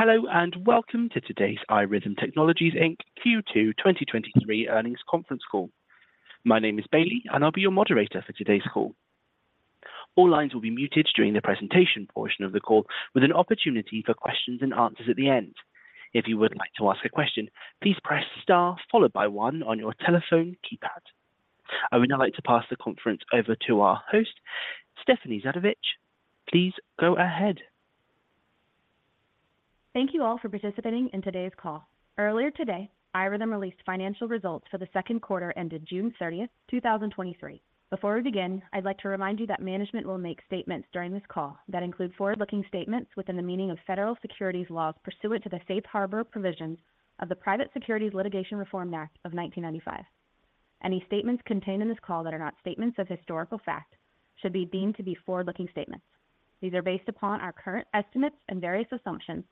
Hello, and welcome to today's iRhythm Technologies Inc. Q2 2023 Earnings Conference Call. My name is Bailey, and I'll be your moderator for today's call. All lines will be muted during the presentation portion of the call, with an opportunity for questions and answers at the end. If you would like to ask a question, please press star followed by one on your telephone keypad. I would now like to pass the conference over to our host, Stephanie Zhadkevich. Please go ahead. Thank you all for participating in today's call. Earlier today, iRhythm released financial results for the second quarter ended June 30, 2023. Before we begin, I'd like to remind you that management will make statements during this call that include forward-looking statements within the meaning of federal securities laws pursuant to the Safe Harbor Provisions of the Private Securities Litigation Reform Act of 1995. Any statements contained in this call that are not statements of historical fact should be deemed to be forward-looking statements. These are based upon our current estimates and various assumptions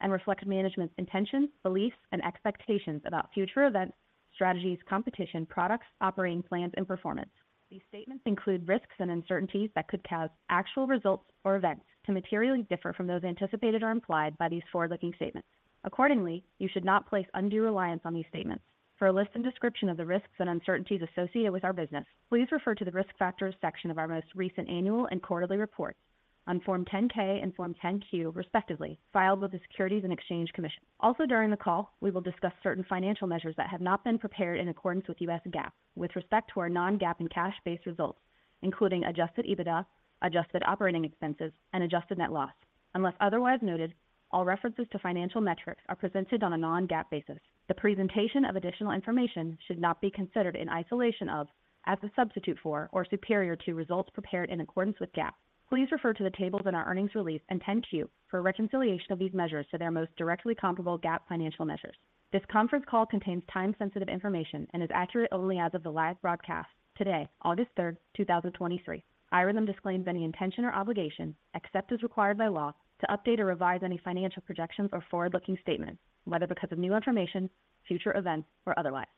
and reflect management's intentions, beliefs, and expectations about future events, strategies, competition, products, operating plans, and performance. These statements include risks and uncertainties that could cause actual results or events to materially differ from those anticipated or implied by these forward-looking statements. Accordingly, you should not place undue reliance on these statements. For a list and description of the risks and uncertainties associated with our business, please refer to the Risk Factors section of our most recent annual and quarterly reports on Form 10-K and Form 10-Q, respectively, filed with the Securities and Exchange Commission. During the call, we will discuss certain financial measures that have not been prepared in accordance with U.S. GAAP. With respect to our non-GAAP and cash-based results, including Adjusted EBITDA, adjusted operating expenses, and adjusted net loss. Unless otherwise noted, all references to financial metrics are presented on a non-GAAP basis. The presentation of additional information should not be considered in isolation of, as a substitute for, or superior to results prepared in accordance with GAAP. Please refer to the tables in our earnings release and 10-Q for a reconciliation of these measures to their most directly comparable GAAP financial measures. This conference call contains time-sensitive information and is accurate only as of the live broadcast today, August 3rd, 2023. iRhythm disclaims any intention or obligation, except as required by law, to update or revise any financial projections or forward-looking statements, whether because of new information, future events, or otherwise.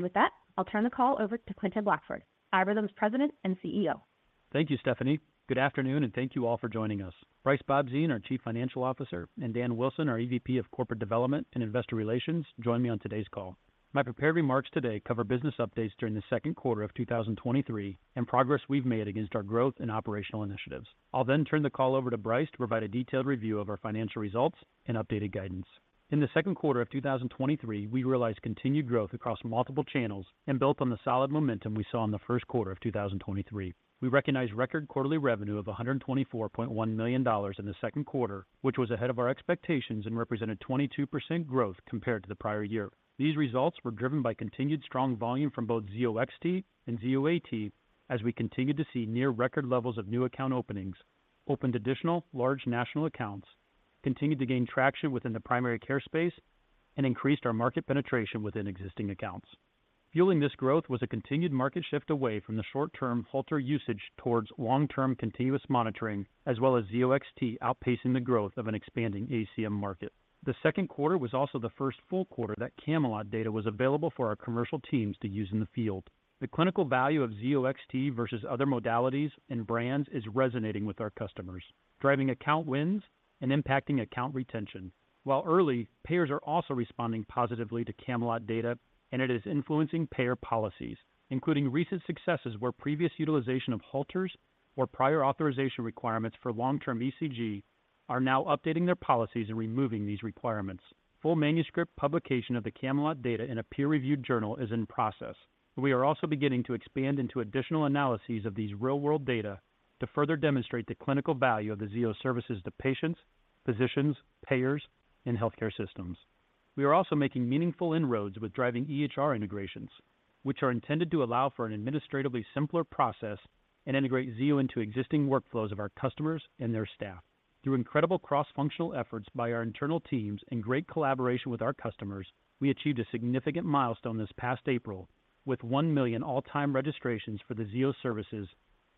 With that, I'll turn the call over to Quentin Blackford, iRhythm's President and CEO. Thank you, Stephanie. Good afternoon. Thank you all for joining us. Brice Bobzien, our Chief Financial Officer, and Dan Wilson, our EVP of Corporate Development and Investor Relations, join me on today's call. My prepared remarks today cover business updates during the second quarter of 2023 and progress we've made against our growth and operational initiatives. I'll turn the call over to Brice to provide a detailed review of our financial results and updated guidance. In the second quarter of 2023, we realized continued growth across multiple channels and built on the solid momentum we saw in the first quarter of 2023. We recognized record quarterly revenue of $124.1 million in the second quarter, which was ahead of our expectations and represented 22% growth compared to the prior year. These results were driven by continued strong volume from both Zio XT and Zio AT, as we continued to see near record levels of new account openings, opened additional large national accounts, continued to gain traction within the primary care space, and increased our market penetration within existing accounts. Fueling this growth was a continued market shift away from the short-term Holter usage towards long-term continuous monitoring, as well as Zio XT outpacing the growth of an expanding ACM market. The second quarter was also the first full quarter that Camelot data was available for our commercial teams to use in the field. The clinical value of Zio XT versus other modalities and brands is resonating with our customers, driving account wins and impacting account retention. While early, payers are also responding positively to Camelot data, and it is influencing payer policies, including recent successes where previous utilization of Holters or prior authorization requirements for long-term ECG are now updating their policies and removing these requirements. Full manuscript publication of the Camelot data in a peer-reviewed journal is in process. We are also beginning to expand into additional analyses of these real-world data to further demonstrate the clinical value of the Zio services to patients, physicians, payers, and healthcare systems. We are also making meaningful inroads with driving EHR integrations, which are intended to allow for an administratively simpler process and integrate Zio into existing workflows of our customers and their staff. Through incredible cross-functional efforts by our internal teams and great collaboration with our customers, we achieved a significant milestone this past April with 1 million all-time registrations for the Zio services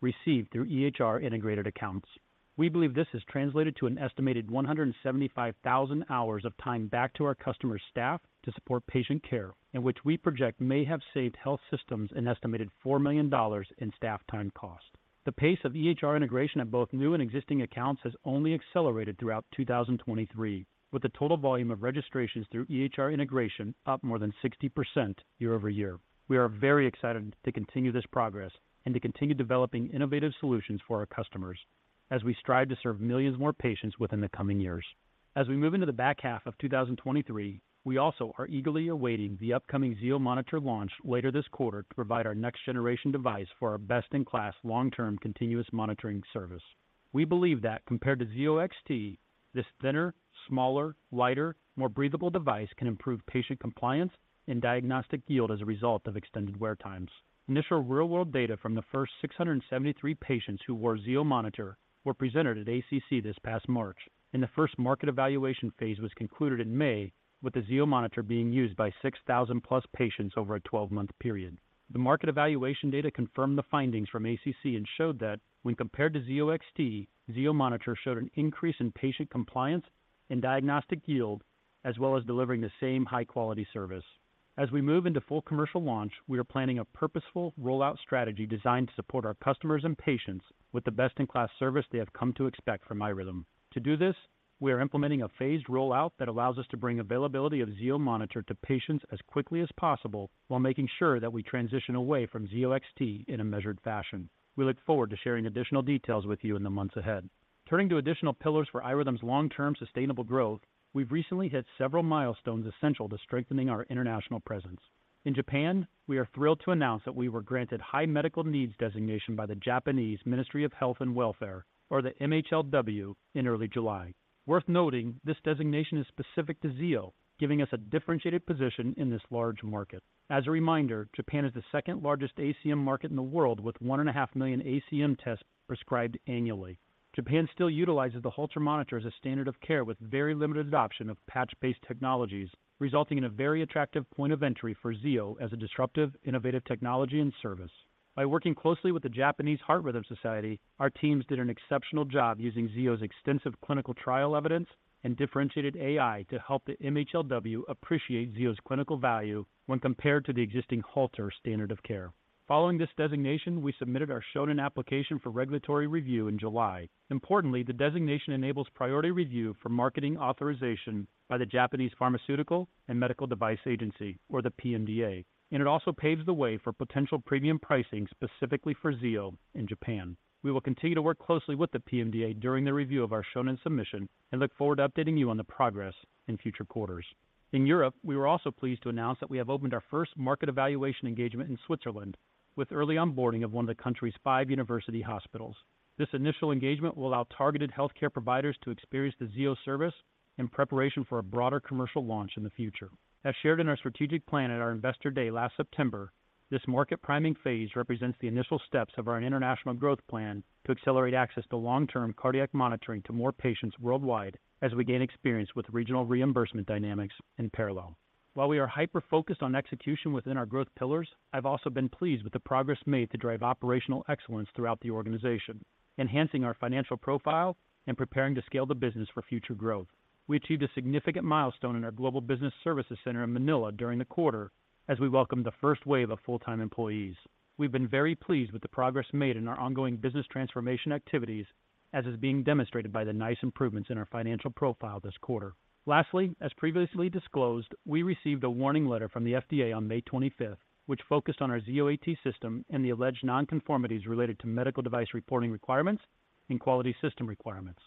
received through EHR-integrated accounts. We believe this has translated to an estimated 175,000 hours of time back to our customers' staff to support patient care, in which we project may have saved health systems an estimated $4 million in staff time cost. The pace of EHR integration at both new and existing accounts has only accelerated throughout 2023, with the total volume of registrations through EHR integration up more than 60% year-over-year. We are very excited to continue this progress and to continue developing innovative solutions for our customers as we strive to serve millions more patients within the coming years. As we move into the back half of 2023, we also are eagerly awaiting the upcoming Zio monitor launch later this quarter to provide our next-generation device for our best-in-class long-term continuous monitoring service. We believe that compared to Zio XT, this thinner, smaller, lighter, more breathable device can improve patient compliance and diagnostic yield as a result of extended wear times. Initial real-world data from the first 673 patients who wore Zio monitor were presented at ACC this past March, and the first market evaluation phase was concluded in May, with the Zio monitor being used by 6,000+ patients over a 12-month period. The market evaluation data confirmed the findings from ACC and showed that when compared to Zio XT, Zio monitor showed an increase in patient compliance and diagnostic yield—as well as delivering the same high-quality service. As we move into full commercial launch, we are planning a purposeful rollout strategy designed to support our customers and patients with the best-in-class service they have come to expect from iRhythm. To do this, we are implementing a phased rollout that allows us to bring availability of Zio monitor to patients as quickly as possible, while making sure that we transition away from Zio XT in a measured fashion. We look forward to sharing additional details with you in the months ahead. Turning to additional pillars for iRhythm's long-term sustainable growth, we've recently hit several milestones essential to strengthening our international presence. In Japan, we are thrilled to announce that we were granted High Medical Need Designation by the Japanese Ministry of Health, Labour and Welfare, or the MHLW, in early July. Worth noting, this designation is specific to Zio, giving us a differentiated position in this large market. As a reminder, Japan is the second-largest ACM market in the world, with 1.5 million ACM tests prescribed annually. Japan still utilizes the Holter monitor as a standard of care, with very limited adoption of patch-based technologies, resulting in a very attractive point of entry for Zio as a disruptive, innovative technology and service. By working closely with the Japanese Heart Rhythm Society, our teams did an exceptional job using Zio's extensive clinical trial evidence and differentiated AI to help the MHLW appreciate Zio's clinical value when compared to the existing Holter standard of care. Following this designation, we submitted our Shonin application for regulatory review in July. Importantly, the designation enables priority review for marketing authorization by the Japanese Pharmaceutical and Medical Devices Agency, or the PMDA, and it also paves the way for potential premium pricing specifically for Zio in Japan. We will continue to work closely with the PMDA during their review of our Shonin submission and look forward to updating you on the progress in future quarters. In Europe, we were also pleased to announce that we have opened our first market evaluation engagement in Switzerland, with early onboarding of one of the country's five university hospitals. This initial engagement will allow targeted healthcare providers to experience the Zio service in preparation for a broader commercial launch in the future. As shared in our strategic plan at our Investor Day last September, this market priming phase represents the initial steps of our international growth plan to accelerate access to long-term cardiac monitoring to more patients worldwide as we gain experience with regional reimbursement dynamics in parallel. While we are hyper-focused on execution within our growth pillars, I've also been pleased with the progress made to drive operational excellence throughout the organization, enhancing our financial profile and preparing to scale the business for future growth. We achieved a significant milestone in our Global Business Services Center in Manila during the quarter, as we welcomed the first wave of full-time employees. We've been very pleased with the progress made in our ongoing business transformation activities, as is being demonstrated by the nice improvements in our financial profile this quarter. Lastly, as previously disclosed, we received a warning letter from the FDA on May 25th, which focused on our Zio AT system and the alleged non-conformities related to medical device reporting requirements and quality system requirements.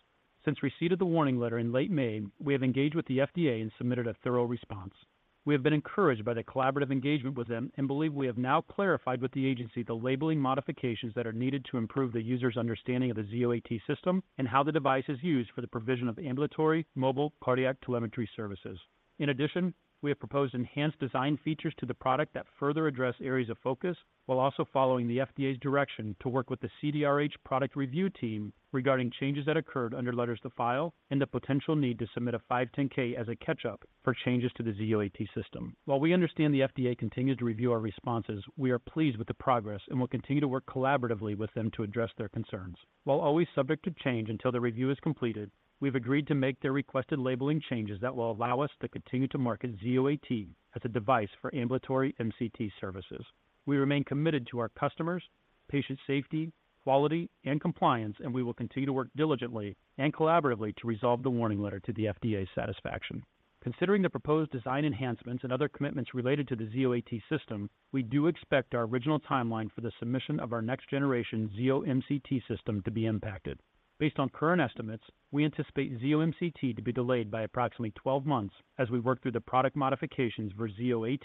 Since receipt of the warning letter in late May, we have engaged with the FDA and submitted a thorough response. We have been encouraged by the collaborative engagement with them and believe we have now clarified with the agency the labeling modifications that are needed to improve the user's understanding of the Zio AT system and how the device is used for the provision of ambulatory mobile cardiac telemetry services. In addition, we have proposed enhanced design features to the product that further address areas of focus, while also following the FDA's direction to work with the CDRH product review team regarding changes that occurred under Letters to File and the potential need to submit a 510(k) as a catch-up for changes to the Zio AT system. While we understand the FDA continues to review our responses, we are pleased with the progress and will continue to work collaboratively with them to address their concerns. While always subject to change until the review is completed, we've agreed to make their requested labeling changes that will allow us to continue to market Zio AT as a device for ambulatory MCT services. We remain committed to our customers, patient safety, quality, and compliance, and we will continue to work diligently and collaboratively to resolve the warning letter to the FDA's satisfaction. Considering the proposed design enhancements and other commitments related to the Zio AT system, we do expect our original timeline for the submission of our next generation Zio MCT system to be impacted. Based on current estimates, we anticipate Zio MCT to be delayed by approximately 12 months as we work through the product modifications for Zio AT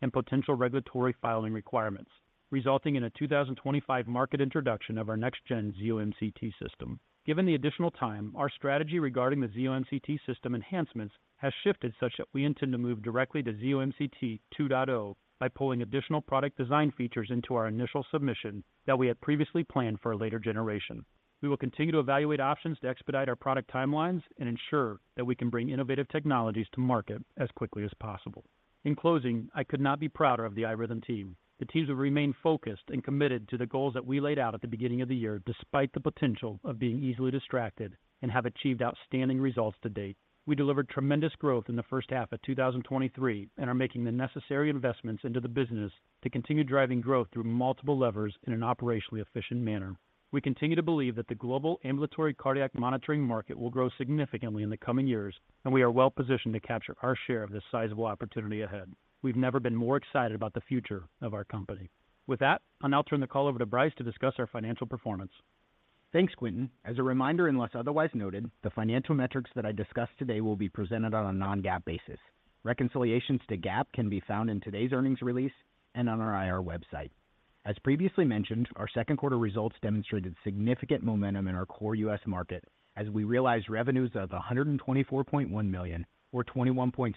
and potential regulatory filing requirements, resulting in a 2025 market introduction of our next gen Zio MCT system. Given the additional time, our strategy regarding the Zio MCT system enhancements has shifted such that we intend to move directly to Zio MCT 2.0, by pulling additional product design features into our initial submission that we had previously planned for a later generation. We will continue to evaluate options to expedite our product timelines and ensure that we can bring innovative technologies to market as quickly as possible. In closing, I could not be prouder of the iRhythm team. The teams have remained focused and committed to the goals that we laid out at the beginning of the year, despite the potential of being easily distracted, and have achieved outstanding results to date. We delivered tremendous growth in the first half of 2023 and are making the necessary investments into the business to continue driving growth through multiple levers in an operationally efficient manner. We continue to believe that the global ambulatory cardiac monitoring market will grow significantly in the coming years, and we are well positioned to capture our share of this sizable opportunity ahead. We've never been more excited about the future of our company. With that, I'll now turn the call over to Brice to discuss our financial performance. Thanks, Quentin. As a reminder, unless otherwise noted, the financial metrics that I discuss today will be presented on a non-GAAP basis. Reconciliations to GAAP can be found in today's earnings release and on our IR website. As previously mentioned, our second quarter results demonstrated significant momentum in our core U.S. market as we realized revenues of $124.1 million, or 21.6%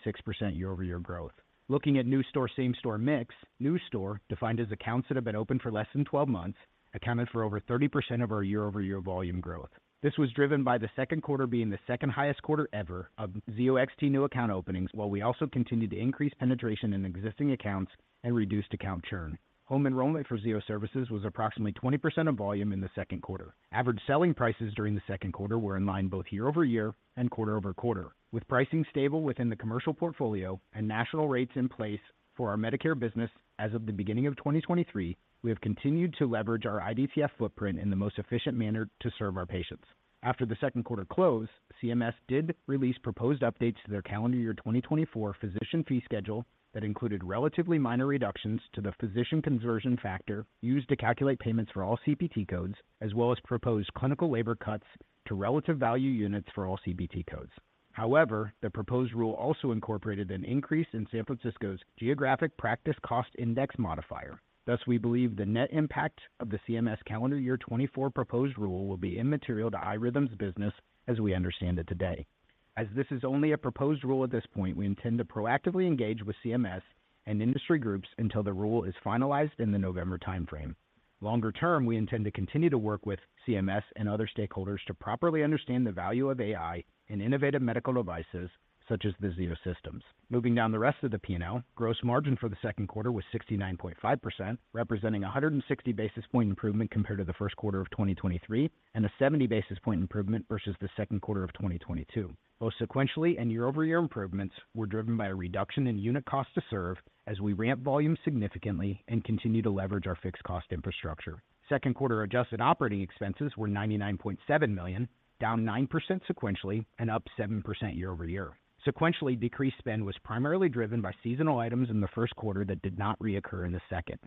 year-over-year growth. Looking at new store, same store mix, new store, defined as accounts that have been open for less than 12 months, accounted for over 30% of our year-over-year volume growth. This was driven by the second quarter being the second highest quarter ever of Zio XT new account openings, while we also continued to increase penetration in existing accounts and reduced account churn. Home enrollment for Zio Services was approximately 20% of volume in the second quarter. Average selling prices during the second quarter were in line both year-over-year and quarter-over-quarter. With pricing stable within the commercial portfolio and national rates in place for our Medicare business as of the beginning of 2023, we have continued to leverage our IDTF footprint in the most efficient manner to serve our patients. After the second quarter close, CMS did release proposed updates to their calendar year 2024 Physician Fee Schedule that included relatively minor reductions to the Physician Conversion Factor used to calculate payments for all CPT codes, as well as proposed clinical labor cuts to Relative value units for all CPT codes. However, the proposed rule also incorporated an increase in San Francisco's Geographic Practice Cost Index modifier. We believe the net impact of the CMS calendar year 2024 proposed rule will be immaterial to iRhythm's business as we understand it today. This is only a proposed rule at this point, we intend to proactively engage with CMS and industry groups until the rule is finalized in the November time frame. Longer term, we intend to continue to work with CMS and other stakeholders to properly understand the value of AI in innovative medical devices such as the Zio System. Moving down the rest of the P&L, gross margin for the second quarter was 69.5%, representing 160 basis point improvement compared to the first quarter of 2023, and a 70 basis point improvement versus the second quarter of 2022. Both sequentially and year-over-year improvements were driven by a reduction in unit cost to serve as we ramped volume significantly and continued to leverage our fixed cost infrastructure. Second quarter adjusted operating expenses were $99.7 million, down 9% sequentially and up 7% year-over-year. Sequentially, decreased spend was primarily driven by seasonal items in the first quarter that did not reoccur in the second,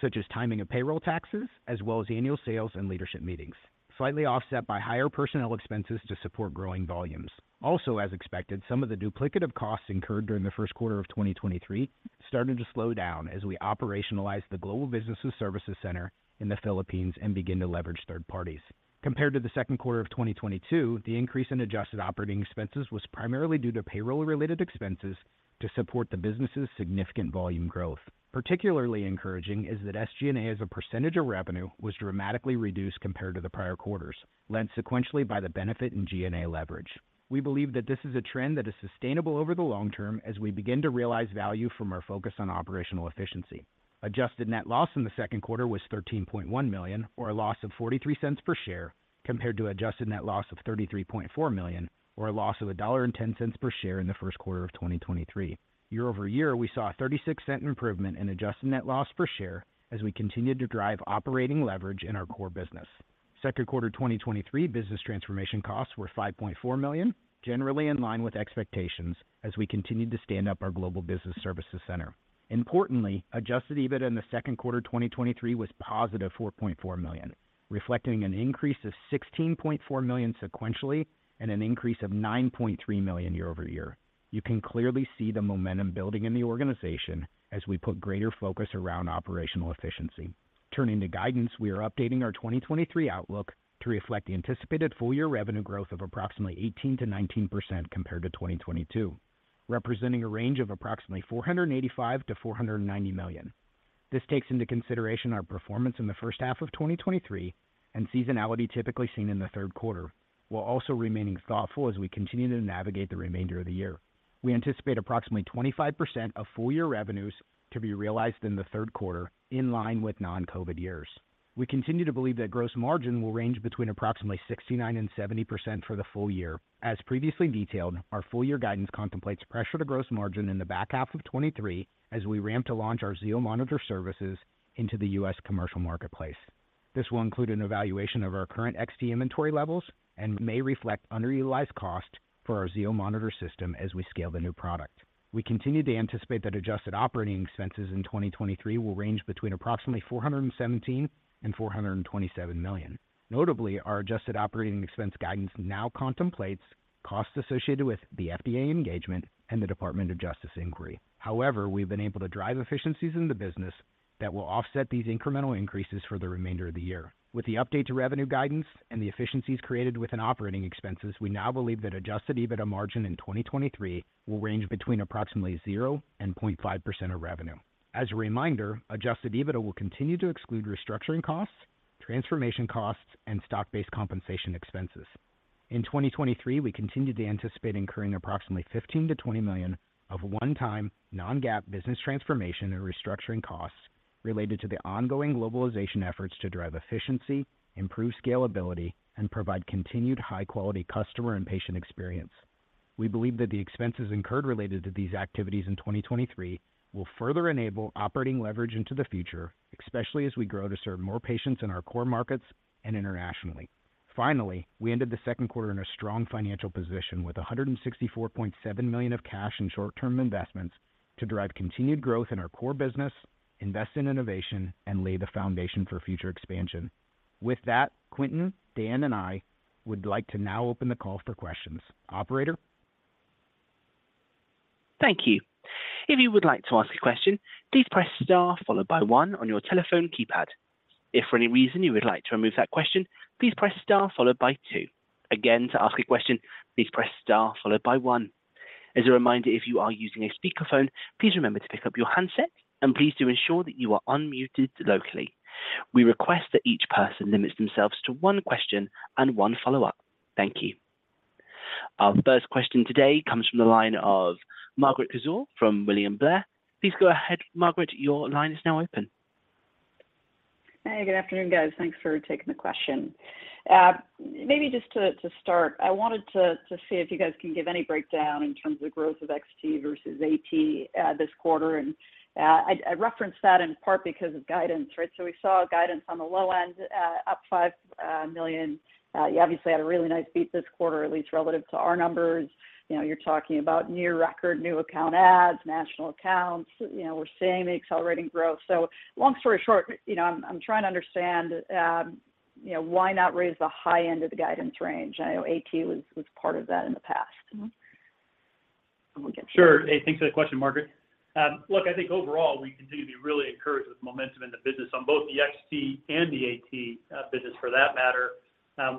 such as timing of payroll taxes, as well as annual sales and leadership meetings, slightly offset by higher personnel expenses to support growing volumes. Also, as expected, some of the duplicative costs incurred during the first quarter of 2023 started to slow down as we operationalized the Global Business Services Center in the Philippines and begin to leverage third parties. Compared to the second quarter of 2022, the increase in adjusted operating expenses was primarily due to payroll-related expenses to support the business's significant volume growth. Particularly encouraging is that SG&A, as a % of revenue, was dramatically reduced compared to the prior quarters, led sequentially by the benefit in G&A leverage. We believe that this is a trend that is sustainable over the long term as we begin to realize value from our focus on operational efficiency. Adjusted net loss in the second quarter was $13.1 million, or a loss of $0.43 per share, compared to adjusted net loss of $33.4 million, or a loss of $1.10 per share in the first quarter of 2023. Year-over-year, we saw a $0.36 improvement in adjusted net loss per share as we continued to drive operating leverage in our core business. Second quarter 2023 business transformation costs were $5.4 million, generally in line with expectations as we continued to stand up our Global Business Services Center. Importantly, Adjusted EBITDA in the Second quarter 2023 was +$4.4 million, reflecting an increase of $16.4 million sequentially and an increase of $9.3 million year-over-year. You can clearly see the momentum building in the organization as we put greater focus around operational efficiency. Turning to guidance, we are updating our 2023 outlook to reflect the anticipated full year revenue growth of approximately 18%-19% compared to 2022, representing a range of approximately $485 million-$490 million. This takes into consideration our performance in the first half of 2023 and seasonality typically seen in the third quarter, while also remaining thoughtful as we continue to navigate the remainder of the year. We anticipate approximately 25% of full year revenues to be realized in the third quarter, in line with non-COVID years. We continue to believe that gross margin will range between approximately 69% and 70% for the full year. As previously detailed, our full year guidance contemplates pressure to gross margin in the back half of 2023 as we ramp to launch our Zio monitor services into the U.S. commercial marketplace. This will include an evaluation of our current XT inventory levels and may reflect underutilized cost for our Zio monitor system as we scale the new product. We continue to anticipate that adjusted operating expenses in 2023 will range between approximately $417 million and $427 million. Notably, our adjusted operating expense guidance now contemplates costs associated with the FDA engagement and the Department of Justice inquiry. We've been able to drive efficiencies in the business that will offset these incremental increases for the remainder of the year. With the update to revenue guidance and the efficiencies created within operating expenses, we now believe that Adjusted EBITDA margin in 2023 will range between approximately 0% and 0.5% of revenue. As a reminder, Adjusted EBITDA will continue to exclude restructuring costs, transformation costs, and stock-based compensation expenses. In 2023, we continued to anticipate incurring approximately $15 million-$20 million of one-time non-GAAP business transformation and restructuring costs related to the ongoing globalization efforts to drive efficiency, improve scalability, and provide continued high-quality customer and patient experience. We believe that the expenses incurred related to these activities in 2023 will further enable operating leverage into the future, especially as we grow to serve more patients in our core markets and internationally. Finally, we ended the second quarter in a strong financial position with $164.7 million of cash and short-term investments to drive continued growth in our core business, invest in innovation, and lay the foundation for future expansion. With that, Quentin, Dan, and I would like to now open the call for questions. Operator? Thank you. If you would like to ask a question, please press star followed by one on your telephone keypad. If for any reason you would like to remove that question, please press star followed by two. Again, to ask a question, please press star followed by one. As a reminder, if you are using a speakerphone, please remember to pick up your handset and please do ensure that you are unmuted locally. We request that each person limits themselves to one question and one follow-up. Thank you. Our first question today comes from the line of Margaret Kaczor from William Blair. Please go ahead, Margaret, your line is now open. Hey, good afternoon, guys. Thanks for taking the question. Maybe just to start, I wanted to see if you guys can give any breakdown in terms of growth of Zio XT versus Zio AT this quarter. I referenced that in part because of guidance, right? We saw a guidance on the low end, up $5 million. You obviously had a really nice beat this quarter, at least relative to our numbers. You know, you're talking about near record, new account ads, national accounts. You know, we're seeing the accelerating growth. Long story short, you know, I'm trying to understand, you know, why not raise the high end of the guidance range? I know Zio AT was part of that in the past. Sure. Hey, thanks for the question, Margaret. Look, I think overall, we continue to be really encouraged with momentum in the business on both the XT and the AT business for that matter,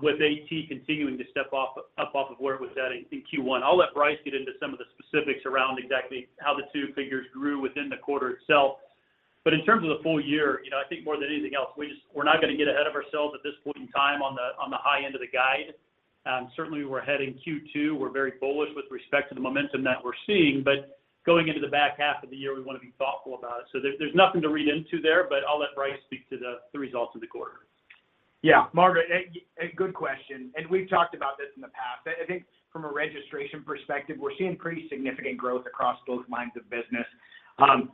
with AT continuing to step up off of where it was at in Q1. I'll let Brice get into some of the specifics around exactly how the two figures grew within the quarter itself. In terms of the full year, you know, I think more than anything else, we're not going to get ahead of ourselves at this point in time on the high end of the guide. Certainly we're heading Q2. We're very bullish with respect to the momentum that we're seeing, but going into the back half of the year, we want to be thoughtful about it. There's nothing to read into there, but I'll let Brice speak to the results of the quarter. Yeah, Margaret, a, a good question, and we've talked about this in the past. I, I think from a registration perspective, we're seeing pretty significant growth across both lines of business.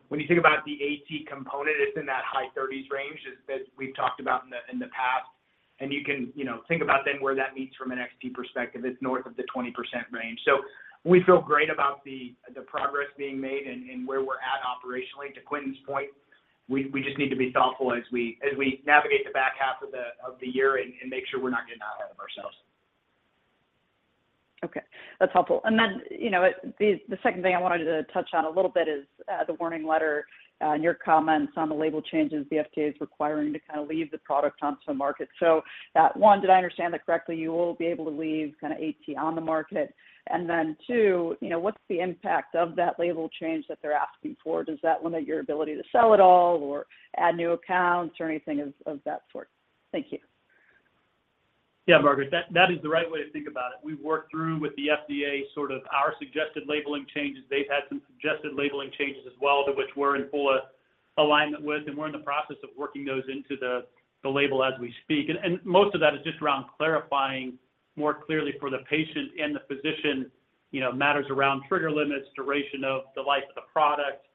When you think about the AT component, it's in that high 30s range as, as we've talked about in the, in the past. You can, you know, think about then where that meets from an XT perspective, it's north of the 20% range. We feel great about the, the progress being made and, and where we're at operationally. To Quentin's point, we, we just need to be thoughtful as we, as we navigate the back half of the, of the year and, and make sure we're not getting out ahead of ourselves. Okay, that's helpful. You know, the, the second thing I wanted to touch on a little bit is the warning letter, and your comments on the label changes the FDA is requiring to kind of leave the product onto the market. One, did I understand that correctly, you will be able to leave kind of AT on the market? two, you know, what's the impact of that label change that they're asking for? Does that limit your ability to sell at all or add new accounts or anything of, of that sort? Thank you. Yeah, Margaret, that, that is the right way to think about it. We've worked through with the FDA, sort of our suggested labeling changes. They've had some suggested labeling changes as well, to which we're in full alignment with, we're in the process of working those into the, the label as we speak. Most of that is just around clarifying more clearly for the patient and the physician, you know, matters around trigger limits, duration of the life of the product,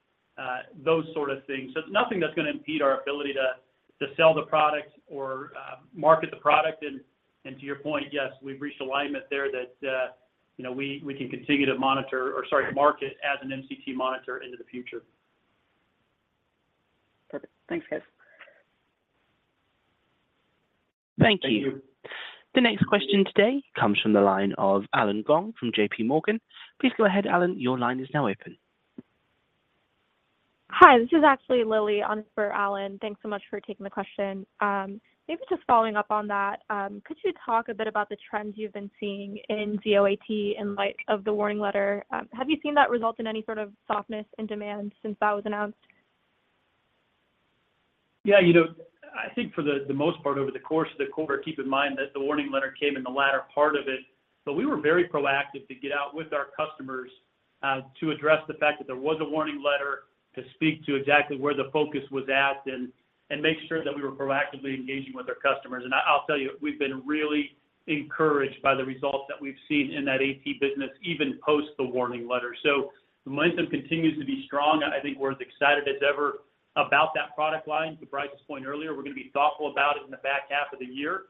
those sort of things. Nothing that's going to impede our ability to, to sell the product or market the product. To your point, yes, we've reached alignment there that, you know, we, we can continue to monitor or sorry, market as an MCT monitor into the future. Perfect. Thanks, guys. Thank you. Thank you. The next question today. Comes from the line of Allen Gong from J.P. Morgan. Please go ahead, Allen. Your line is now open. Hi, this is actually Lily on for Allen. Thanks so much for taking the question. Maybe just following up on that, could you talk a bit about the trends you've been seeing in Zio AT in light of the warning letter? Have you seen that result in any sort of softness in demand since that was announced? Yeah, you know, I think for the most part over the course of the quarter, keep in mind that the warning letter came in the latter part of it. We were very proactive to get out with our customers to address the fact that there was a warning letter, to speak to exactly where the focus was at and make sure that we were proactively engaging with our customers. I'll tell you, we've been really encouraged by the results that we've seen in that AT business, even post the warning letter. The momentum continues to be strong. I think we're as excited as ever about that product line. To Bryce's point earlier, we're going to be thoughtful about it in the back half of the year.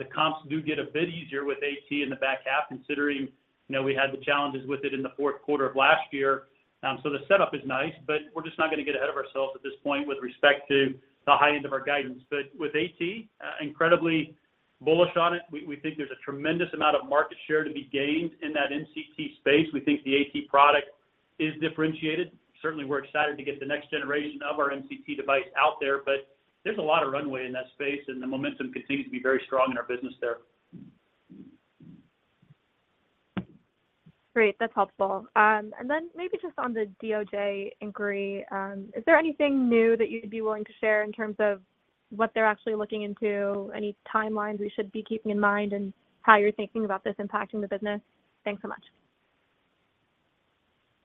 The comps do get a bit easier with AT in the back half, considering, you know, we had the challenges with it in the 4th quarter of last year. The setup is nice, but we're just not going to get ahead of ourselves at this point with respect to the high end of our guidance. With AT, incredibly bullish on it, we, we think there's a tremendous amount of market share to be gained in that MCT space. We think the AT product is differentiated. Certainly, we're excited to get the next generation of our MCT device out there, but there's a lot of runway in that space, and the momentum continues to be very strong in our business there. Great, that's helpful. Maybe just on the DOJ inquiry, is there anything new that you'd be willing to share in terms of what they're actually looking into? Any timelines we should be keeping in mind and how you're thinking about this impacting the business? Thanks so much.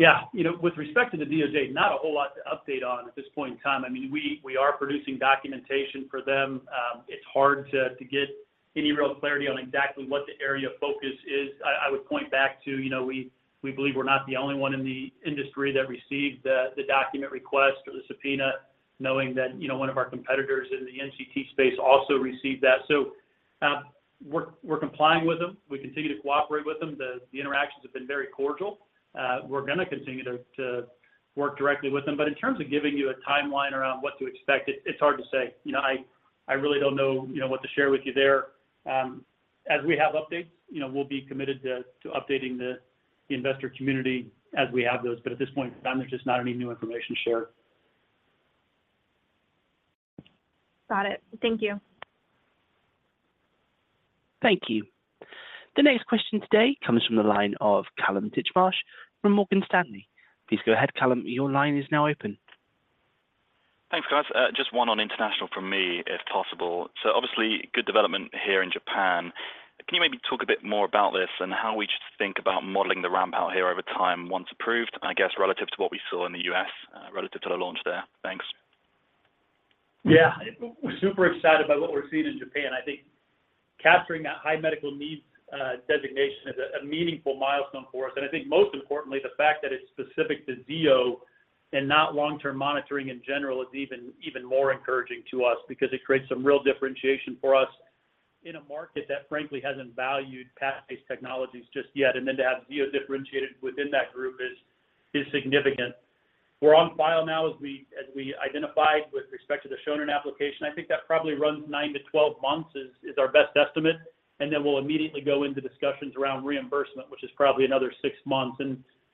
Yeah, you know, with respect to the DOJ, not a whole lot to update on at this point in time. I mean, we, we are producing documentation for them. It's hard to, to get any real clarity on exactly what the area of focus is. I, I would point back to, you know, we, we believe we're not the only one in the industry that received the, the document request or the subpoena, knowing that, you know, one of our competitors in the MCT space also received that. We're, we're complying with them. We continue to cooperate with them. The, the interactions have been very cordial. We're going to continue to, to work directly with them, but in terms of giving you a timeline around what to expect, it, it's hard to say. You know. I really don't know, you know, what to share with you there. As we have updates, you know, we'll be committed to, to updating the, the investor community as we have those. At this point in time, there's just not any new information to share. Got it. Thank you. Thank you. The next question today comes from the line of Kallum Titchmarsh from Morgan Stanley. Please go ahead, Kallum. Your line is now open. Thanks, guys. Just one on international from me, if possible. Obviously, good development here in Japan. Can you maybe talk a bit more about this and how we should think about modeling the ramp out here over time, once approved, I guess, relative to what we saw in the U.S., relative to the launch there? Thanks. Yeah. We're super excited by what we're seeing in Japan. I think capturing that High Medical Need Designation is a meaningful milestone for us. I think most importantly, the fact that it's specific to Zio and not long-term monitoring in general, is even, even more encouraging to us because it creates some real differentiation for us in a market that frankly hasn't valued patch-based technologies just yet. Then to have Zio differentiated within that group is significant. We're on file now as we, as we identified with respect to the Shonin application. I think that probably runs 9-12 months, is our best estimate, and then we'll immediately go into discussions around reimbursement, which is probably another six months.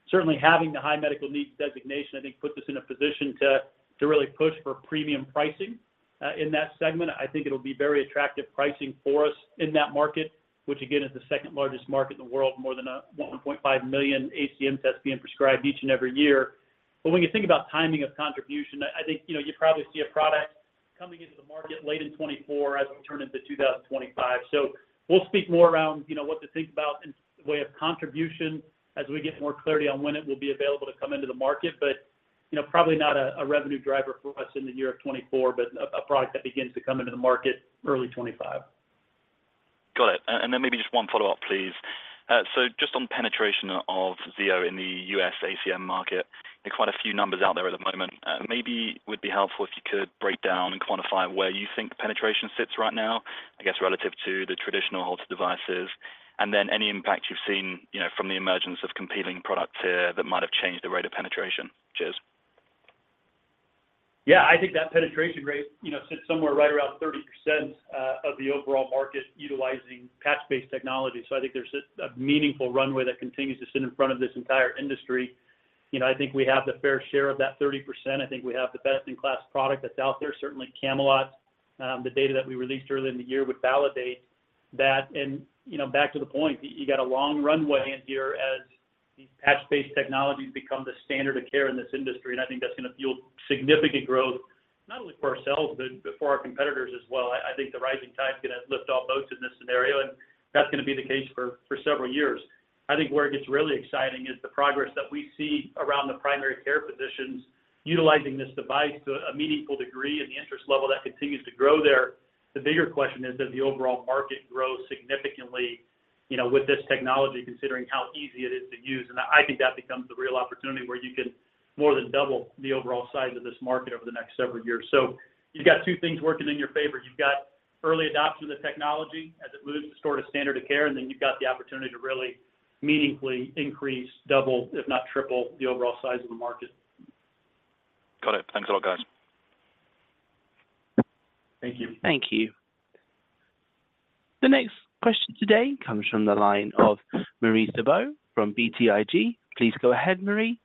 Certainly having the High Medical Need Designation, I think, puts us in a position to, to really push for premium pricing in that segment. I think it'll be very attractive pricing for us in that market, which, again, is the second largest market in the world, more than 1.5 million ACM tests being prescribed each and every year. When you think about timing of contribution, I, I think, you know, you probably see a product coming into the market late in 2024 as we turn into 2025. We'll speak more around, you know, what to think about in way of contribution as we get more clarity on when it will be available to come into the market. you know, probably not a, a revenue driver for us in the year of 2024, but a, a product that begins to come into the market early 2025. Got it. And then maybe just one follow-up, please. Just on penetration of Zio in the U.S. ACM market, there are quite a few numbers out there at the moment. Maybe would be helpful if you could break down and quantify where you think the penetration sits right now, I guess, relative to the traditional Holter devices, and then any impact you've seen, you know, from the emergence of competing products, that might have changed the rate of penetration. Cheers. Yeah, I think that penetration rate, you know, sits somewhere right around 30% of the overall market utilizing patch-based technology. I think there's just a meaningful runway that continues to sit in front of this entire industry. You know, I think we have the fair share of that 30%. I think we have the best-in-class product that's out there. Certainly, Camelot, the data that we released earlier in the year would validate that. You know, back to the point, you got a long runway here as these patch-based technologies become the standard of care in this industry. I think that's gonna fuel significant growth, not only for ourselves, but for our competitors as well. I, I think the rising tide is gonna lift all boats in this scenario, and that's gonna be the case for, for several years. I think where it gets really exciting is the progress that we see around the primary care physicians utilizing this device to a meaningful degree and the interest level that continues to grow there. The bigger question is, does the overall market grow significantly, you know, with this technology, considering how easy it is to use? I think that becomes the real opportunity where you can more than double the overall size of this market over the next several years. You've got two things working in your favor. You've got early adoption of the technology as it moves to sort of standard of care, and then you've got the opportunity to really meaningfully increase, double, if not triple, the overall size of the market. Got it. Thanks a lot, guys. Thank you. Thank you. The next question today comes from the line of Marie Thibault from BTIG. Please go ahead, Marie.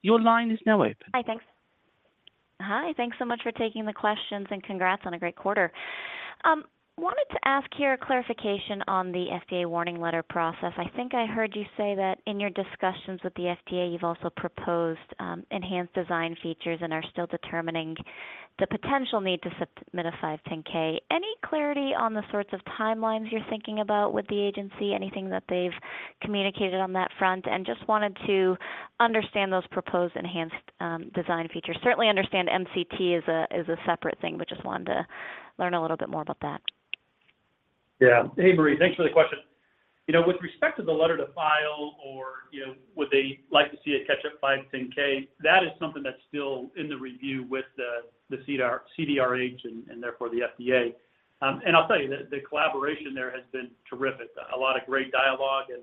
Your line is now open. Hi, thanks. Hi, thanks so much for taking the questions, and congrats on a great quarter. Wanted to ask your clarification on the FDA warning letter process. I think I heard you say that in your discussions with the FDA, you've also proposed enhanced design features and are still determining the potential need to submit a 510(k). Any clarity on the sorts of timelines you're thinking about with the agency? Anything that they've communicated on that front, and just wanted to understand those proposed enhanced design features. Certainly understand MCT is a, is a separate thing, but just wanted to learn a little bit more about that. Yeah. Hey, Marie, thanks for the question. You know, with respect to the Letter to File or, you know, would they like to see a catch-up 510K, that is something that's still in the review with the, the CDR, CDRH and, and therefore the FDA. I'll tell you, the, the collaboration there has been terrific. A lot of great dialogue and,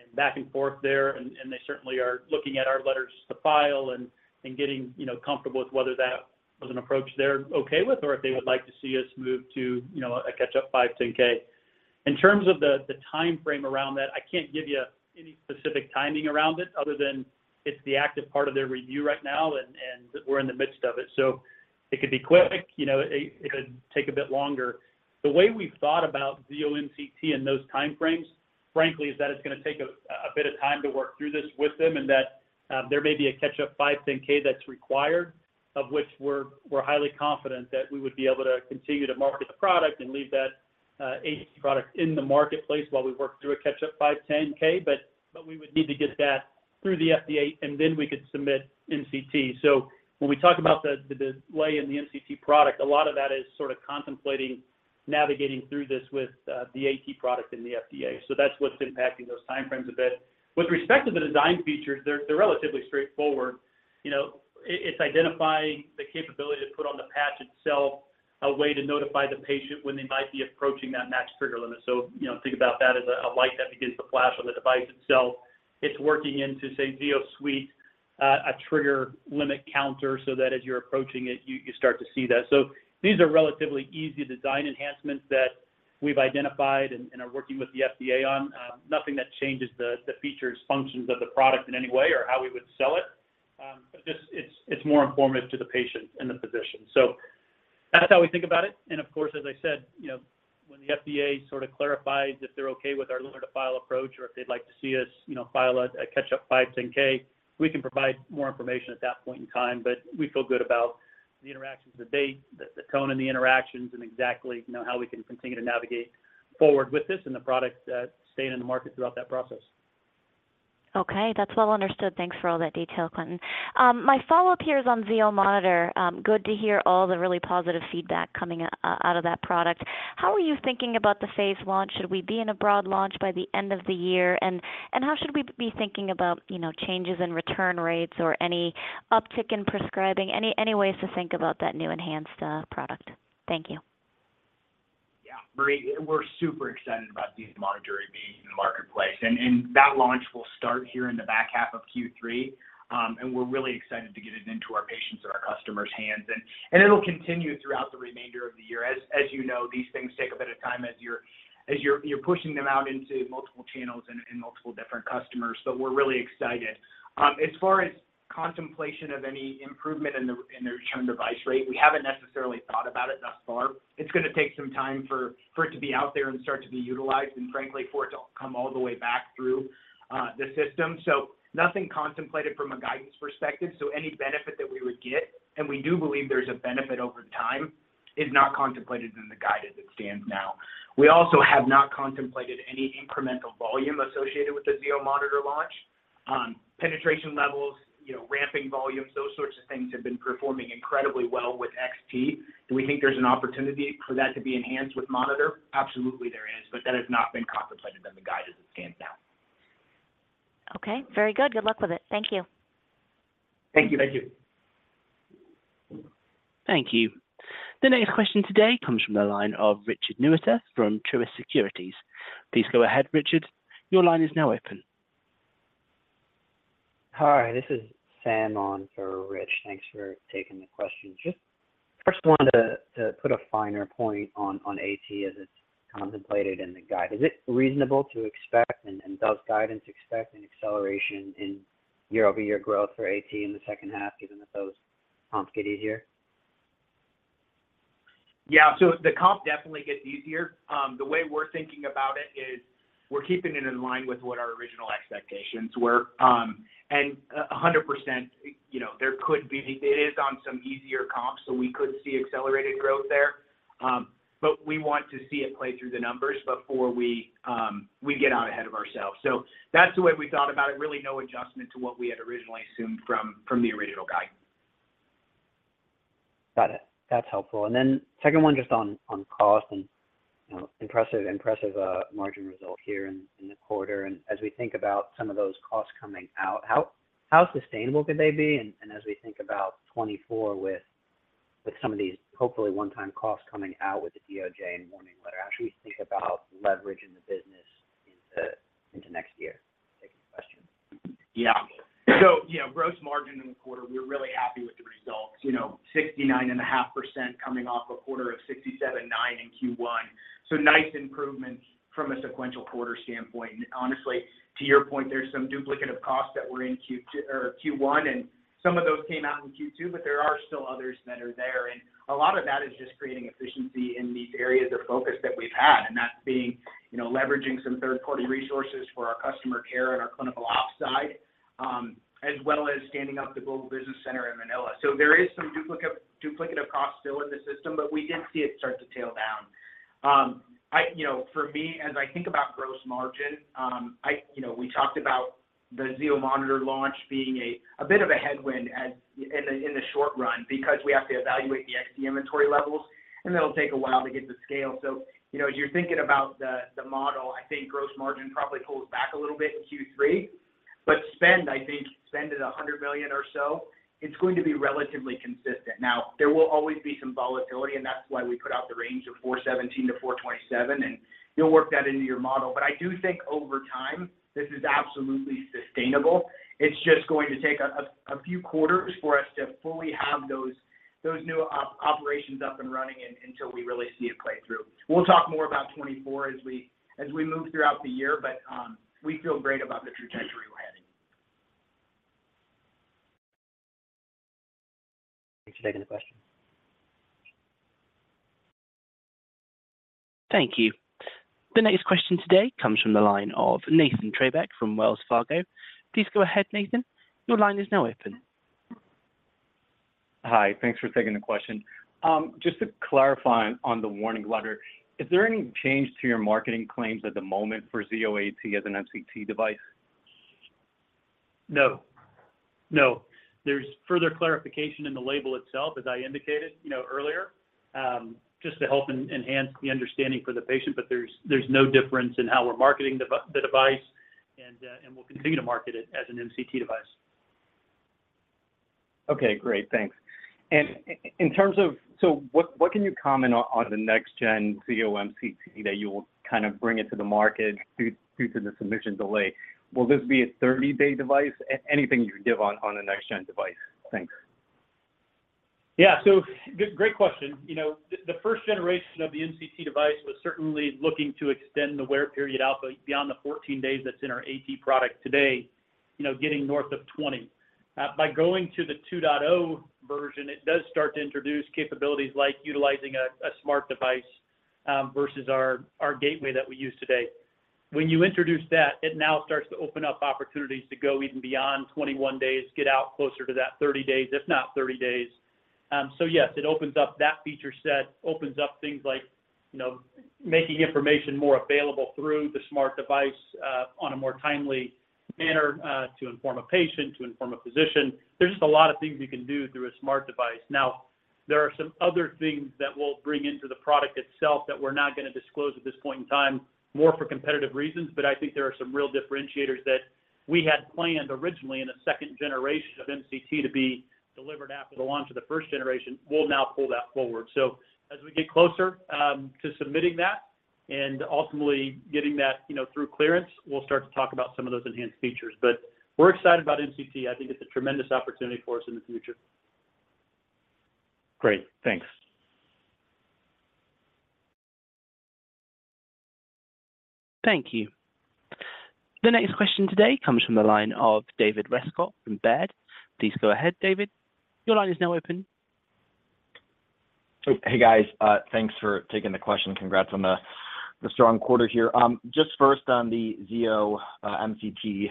and back and forth there, and, and they certainly are looking at our Letter to File and, and getting, you know, comfortable with whether that was an approach they're okay with, or if they would like to see us move to, you know, a catch-up 510K. In terms of the, the timeframe around that, I can't give you any specific timing around it other than it's the active part of their review right now, and, and we're in the midst of it. It could be quick, you know, it could take a bit longer. The way we've thought about Zio MCT and those timeframes, frankly, is that it's gonna take a bit of time to work through this with them, and that there may be a catch-up 510K that's required, of which we're highly confident that we would be able to continue to market the product and leave that AT product in the marketplace while we work through a catch-up 510K. We would need to get that through the FDA, and then we could submit MCT. When we talk about the delay in the MCT product, a lot of that is sort of contemplating navigating through this with the AT product and the FDA. That's what's impacting those timeframes a bit. With respect to the design features, they're, they're relatively straightforward. You know, it, it's identifying the capability to put on the patch itself, a way to notify the patient when they might be approaching that max trigger limit. You know, think about that as a, a light that begins to flash on the device itself it's working into, say, ZioSuite, a trigger limit counter, so that as you're approaching it, you, you start to see that. These are relatively easy design enhancements that we've identified and, and are working with the FDA on. Nothing that changes the, the features, functions of the product in any way or how we would sell it. Just it's, it's more informative to the patient and the physician. That's how we think about it, and of course, as I said, you know, when the FDA sort of clarifies if they're okay with our Letter to File approach or if they'd like to see us, you know, file a, a catch-up 510(k), we can provide more information at that point in time. We feel good about the interactions the tone in the interactions and exactly, you know, how we can continue to navigate forward with this and the product staying in the market throughout that process. Okay, that's well understood. Thanks for all that detail, Quentin. My follow-up here is on Zio monitor. Good to hear all the really positive feedback coming out, out of that product. How are you thinking about the phase launch? Should we be in a broad launch by the end of the year? How should we be thinking about, you know, changes in return rates or any uptick in prescribing? Any ways to think about that new enhanced product? Thank you. Yeah, Marie, we're super excited about Zio monitor being in the marketplace, and that launch will start here in the back half of Q3. We're really excited to get it into our patients and our customers' hands. It'll continue throughout the remainder of the year. As, as you know, these things take a bit of time as you're, as you're, you're pushing them out into multiple channels and, and multiple different customers. We're really excited. As far as contemplation of any improvement in the, in the return device rate, we haven't necessarily thought about it thus far. It's gonna take some time for, for it to be out there and start to be utilized, and frankly, for it to come all the way back through the system. Nothing contemplated from a guidance perspective. Any benefit that we would get, and we do believe there's a benefit over time, is not contemplated in the guidance it stands now. We also have not contemplated any incremental volume associated with the Zio monitor launch. Penetration levels, you know, ramping volumes, those sorts of things have been performing incredibly well with XT. Do we think there's an opportunity for that to be enhanced with monitor? Absolutely, there is, but that has not been contemplated in the guidance it stands now. Okay, very good. Good luck with it. Thank you. Thank you. Thank you. Thank you. The next question today comes from the line of Richard Newitter from Truist Securities. Please go ahead, Richard. Your line is now open. Hi, this is Sam on for Rich. Thanks for taking the question. Just first wanted to put a finer point on AT as it's contemplated in the guide. Is it reasonable to expect, and does guidance expect an acceleration in year-over-year growth for AT in the second half, given that those comps get easier? Yeah. The comp definitely gets easier. The way we're thinking about it is we're keeping it in line with what our original expectations were. 100%, you know, it is on some easier comps, we could see accelerated growth there. We want to see it play through the numbers before we get out ahead of ourselves. That's the way we thought about it. Really no adjustment to what we had originally assumed from, from the original guidance. Got it. That's helpful. Then second one, just on, on cost and, you know, impressive, impressive, margin result here in, in the quarter. As we think about some of those costs coming out, how, how sustainable could they be? As we think about 2024 with, with some of these, hopefully, one-time costs coming out with the DOJ and warning letter, how should we think about leveraging the business into, into next year? Thank you for the question. Yeah. You know, gross margin in the quarter, we're really happy with the results. You know, 69.5% coming off a quarter of 67.9% in Q1. Nice improvements from a sequential quarter standpoint. Honestly, to your point, there's some duplicative costs that were in Q2 or Q1, and some of those came out in Q2, but there are still others that are there. A lot of that is just creating efficiency in these areas of focus that we've had, and that's being, you know, leveraging some third-party resources for our customer care and our clinical ops side, as well as standing up the Global Business Services Center in Manila. There is some duplicative costs still in the system, but we did see it start to tail down. You know, for me, as I think about gross margin, you know, we talked about the Zio monitor launch being a bit of a headwind as in the short run because we have to evaluate the Zio XT inventory levels, and it'll take a while to get to scale. You know, as you're thinking about the model, I think gross margin probably pulls back a little bit in Q3. Spend, I think, spend at $100 million or so, it's going to be relatively consistent. There will always be some volatility, and that's why we put out the range of $417 million-$427 million, and you'll work that into your model. I do think over time, this is absolutely sustainable. It's just going to take a few quarters for us to fully have those, those new operations up and running and until we really see it play through. We'll talk more about 2024 as we, as we move throughout the year, but we feel great about the trajectory we're heading. Thanks for taking the question. Thank you. The next question today comes from the line of Nathan Treybeck from Wells Fargo. Please go ahead, Nathan. Your line is now open. Hi, thanks for taking the question. Just to clarify on the warning letter, is there any change to your marketing claims at the moment for Zio AT as an MCT device? No. No, there's further clarification in the label itself, as I indicated, you know, earlier, just to help enhance the understanding for the patient, but there's, there's no difference in how we're marketing the device, and we'll continue to market it as an MCT device. Okay, great. Thanks. In terms of, what, what can you comment on, on the next gen Zio MCT that you will kind of bring it to the market due to the submission delay? Will this be a 30-day device? Anything you can give on, on the next gen device? Thanks. Yeah. Good, great question. You know, the, the first generation of the MCT device was certainly looking to extend the wear period out, but beyond the 14 days, that's in our AT product today, you know, getting north of 20. By going to the 2.0 version, it does start to introduce capabilities like utilizing a, a smart device, versus our, our gateway that we use today. When you introduce that, it now starts to open up opportunities to go even beyond 21 days, get out closer to that 30 days, if not 30 days. Yes, it opens up that feature set, opens up things like, you know, making information more available through the smart device, on a more timely manner, to inform a patient, to inform a physician. There's just a lot of things you can do through a smart device. There are some other things that we'll bring into the product itself that we're not gonna disclose at this point in time, more for competitive reasons. I think there are some real differentiators that we had planned originally in a 2nd generation of MCT to be delivered after the launch of the 1st generation. We'll now pull that forward. As we get closer to submitting that and ultimately getting that, you know, through clearance, we'll start to talk about some of those enhanced features. We're excited about MCT. I think it's a tremendous opportunity for us in the future. Great, thanks. Thank you. The next question today comes from the line of David Rescott from Baird. Please go ahead, David. Your line is now open. Hey, guys, thanks for taking the question. Congrats on the, the strong quarter here. Just first on the Zio MCT,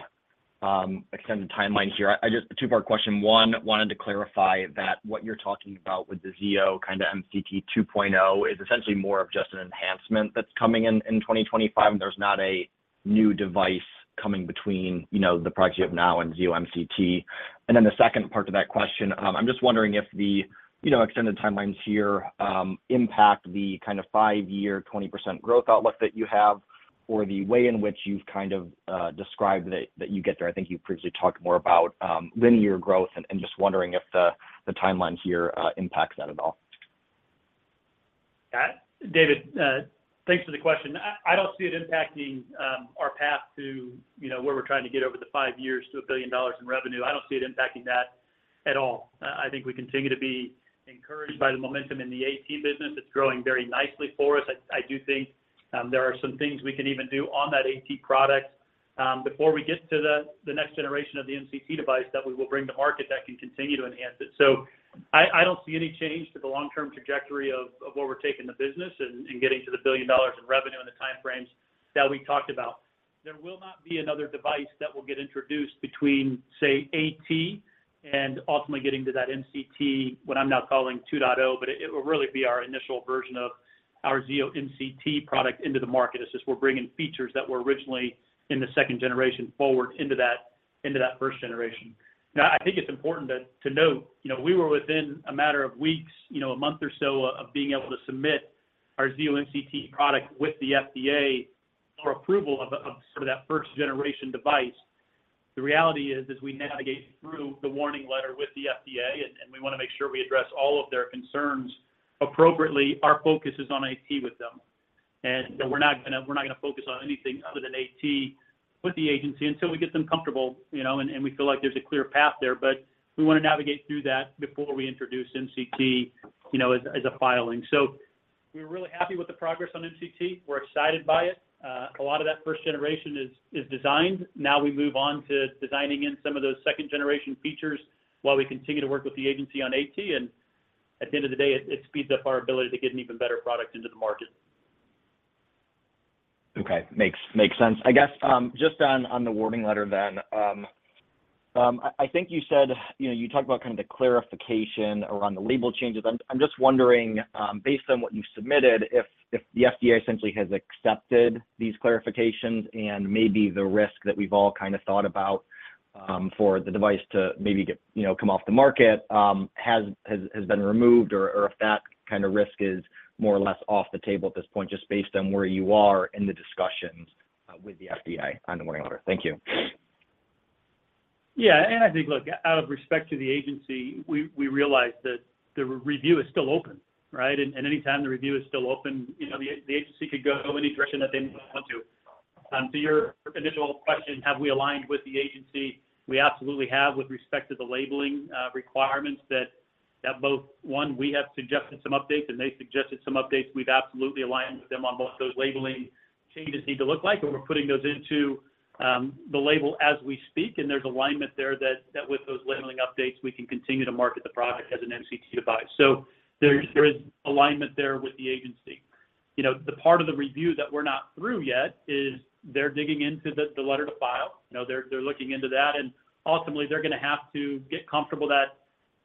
extended timeline here. I just a 2-part question. 1, wanted to clarify that what you're talking about with the Zio kind of MCT 2.0, is essentially more of just an enhancement that's coming in 2025, and there's not a new device coming between, you know, the products you have now and Zio MCT? The second part to that question, I'm just wondering if the, you know, extended timelines here, impact the kind of 5-year, 20% growth outlook that you have, or the way in which you've kind of, described that, that you get there. I think you previously talked more about linear growth and, and just wondering if the, the timeline here impacts that at all. Yeah. David, thanks for the question. I, I don't see it impacting, our path to, you know, where we're trying to get over the 5 years to a $1 billion in revenue. I don't see it impacting that at all. I think we continue to be encouraged by the momentum in the AT business. It's growing very nicely for us. I, I do think, there are some things we can even do on that AT product, before we get to the, the next generation of the MCT device that we will bring to market that can continue to enhance it. I, I don't see any change to the long-term trajectory of, of where we're taking the business and, and getting to the $1 billion in revenue and the time frames that we talked about. There will not be another device that will get introduced between, say, Zio AT and ultimately getting to that Zio MCT, what I'm now calling 2.0. It will really be our initial version of our Zio MCT product into the market, as just we're bringing features that were originally in the second generation forward into that, into that first generation. I think it's important to, to note, you know, we were within a matter of weeks, you know, one month or so, of being able to submit our Zio MCT product with the FDA for approval of, of sort of that first-generation device. The reality is, as we navigate through the warning letter with the FDA, and we wanna make sure we address all of their concerns appropriately, our focus is on Zio AT with them. We're not gonna, we're not gonna focus on anything other than AT with the agency until we get them comfortable, you know, and we feel like there's a clear path there. We wanna navigate through that before we introduce MCT, you know, as a filing. We're really happy with the progress on MCT. We're excited by it. A lot of that first generation is designed. Now we move on to designing in some of those second-generation features while we continue to work with the agency on AT. At the end of the day, it speeds up our ability to get an even better product into the market. Okay. Makes, makes sense. I guess, just on, on the warning letter then, I think you said—you know, you talked about kind of the clarification around the label changes. I'm just wondering, based on what you've submitted, if the FDA essentially has accepted these clarifications and maybe the risk that we've all kind of thought about, for the device to maybe get, you know, come off the market, has been removed, or if that kind of risk is more or less off the table at this point, just based on where you are in the discussions with the FDA on the warning letter. Thank you. Yeah, I think, look, out of respect to the agency, we, we realize that the review is still open, right? Anytime the review is still open, you know, the agency could go any direction that they want to. To your initial question, have we aligned with the agency? We absolutely have, with respect to the labeling requirements that both we have suggested some updates, and they suggested some updates. We've absolutely aligned with them on what those labeling changes need to look like, and we're putting those into the label as we speak. There's alignment there that with those labeling updates, we can continue to market the product as an MCT device. There, there is alignment there with the agency. You know, the part of the review that we're not through yet is they're digging into the Letter to File. You know, they're looking into that, and ultimately, they're going to have to get comfortable that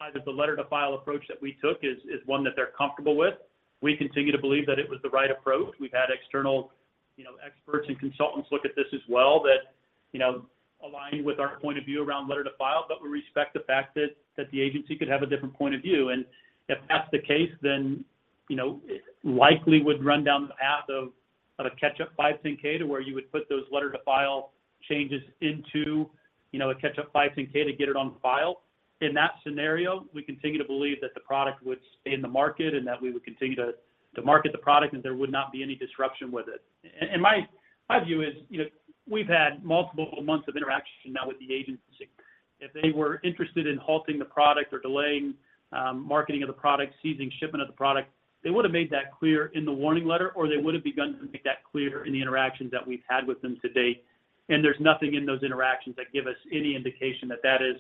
either the Letter to File approach that we took is, is one that they're comfortable with. We continue to believe that it was the right approach. We've had external, you know, experts and consultants look at this as well, that, you know, align with our point of view around Letter to File, but we respect the fact that the agency could have a different point of view. If that's the case, then, you know, it likely would run down the path of a catch-up 510, to where you would put those Letter to File changes into, you know, a catch-up 510K to get it on file. In that scenario, we continue to believe that the product would stay in the market and that we would continue to, to market the product, there would not be any disruption with it. My, my view is, you know, we've had multiple months of interaction now with the agency. If they were interested in halting the product or delaying marketing of the product, seizing shipment of the product, they would have made that clear in the warning letter, or they would have begun to make that clear in the interactions that we've had with them to date. There's nothing in those interactions that give us any indication that that is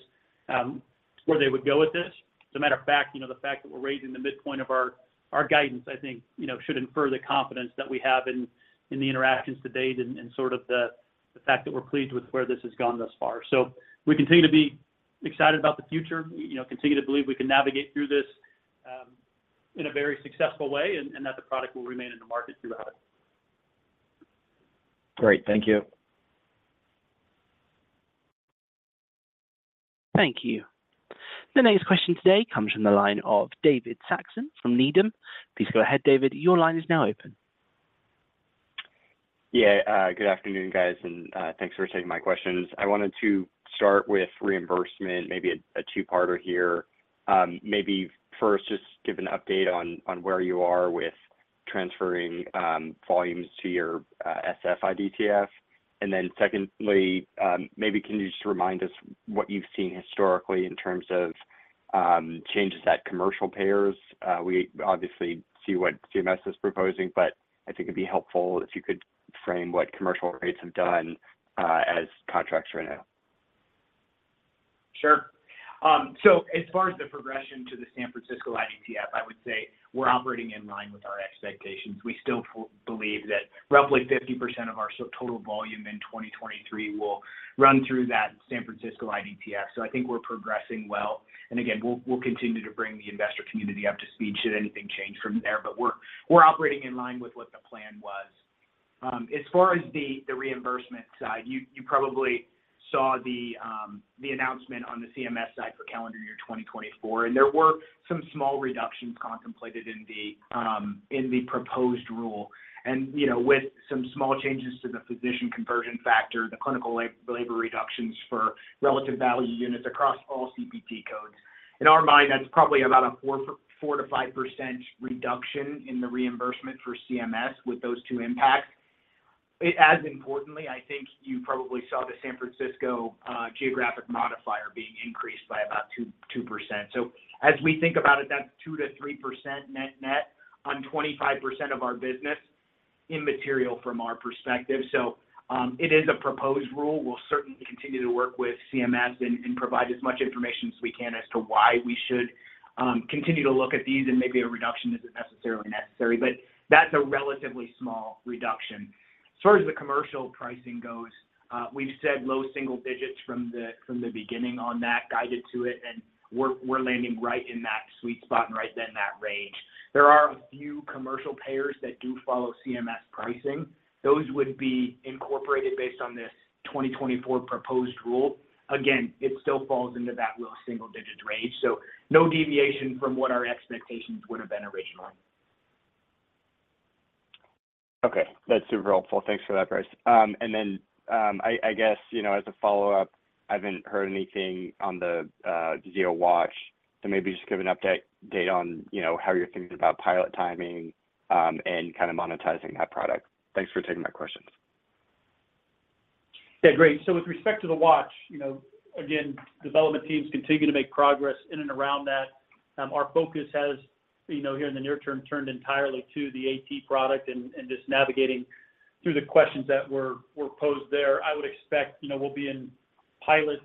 where they would go with this. As a matter of fact, you know, the fact that we're raising the midpoint of our, our guidance, I think, you know, should infer the confidence that we have in, in the interactions to date and, and sort of the, the fact that we're pleased with where this has gone thus far. We continue to be excited about the future, you know, continue to believe we can navigate through this, in a very successful way and, and that the product will remain in the market throughout it. Great. Thank you. Thank you. The next question today comes from the line of David Saxon from Needham. Please go ahead, David. Your line is now open. Yeah, good afternoon, guys, and thanks for taking my questions. I wanted to start with reimbursement, maybe a, a two-parter here. Maybe first, just give an update on where you are with transferring volumes to your SF IDTF. Secondly, maybe can you just remind us what you've seen historically in terms of changes at commercial payers? We obviously see what CMS is proposing, but I think it'd be helpful if you could frame what commercial rates have done as contracts right now. Sure. As far as the progression to the San Francisco IDTF, I would say we're operating in line with our expectations. We still believe that roughly 50% of our so total volume in 2023 will run through that San Francisco IDTF. I think we're progressing well, and again, we'll continue to bring the investor community up to speed should anything change from there, but we're operating in line with what the plan was. As far as the reimbursement side, you probably saw the announcement on the CMS side for calendar year 2024, and there were some small reductions contemplated in the proposed rule. You know, with some small changes to the physician conversion factor, the clinical labor reductions for relative value units across all CPT codes. In our mind, that's probably about a 4-5% reduction in the reimbursement for CMS with those two impacts. As importantly, I think you probably saw the San Francisco geographic modifier being increased by about 2%. As we think about it, that's 2-3% net-net on 25% of our business, immaterial from our perspective. It is a proposed rule. We'll certainly continue to work with CMS and, and provide as much information as we can as to why we should continue to look at these, and maybe a reduction isn't necessarily necessary, but that's a relatively small reduction. As far as the commercial pricing goes, we've said low single digits from the, from the beginning on that, guided to it, and we're, we're landing right in that sweet spot and right in that range. There are a few commercial payers that do follow CMS pricing. Those would be incorporated based on this 2024 proposed rule. Again, it still falls into that low single-digit range, so no deviation from what our expectations would have been originally. Okay. That's super helpful. Thanks for that, Brice. Then, I, I guess, you know, as a follow-up, I haven't heard anything on the, Zio Watch. Maybe just give an update date on, you know, how you're thinking about pilot timing, and kind of monetizing that product. Thanks for taking my questions. Yeah, great. With respect to the Watch, you know, again, development teams continue to make progress in and around that. Our focus has, you know, here in the near term, turned entirely to the AT product and, and just navigating through the questions that were, were posed there. I would expect, you know, we'll be in pilots,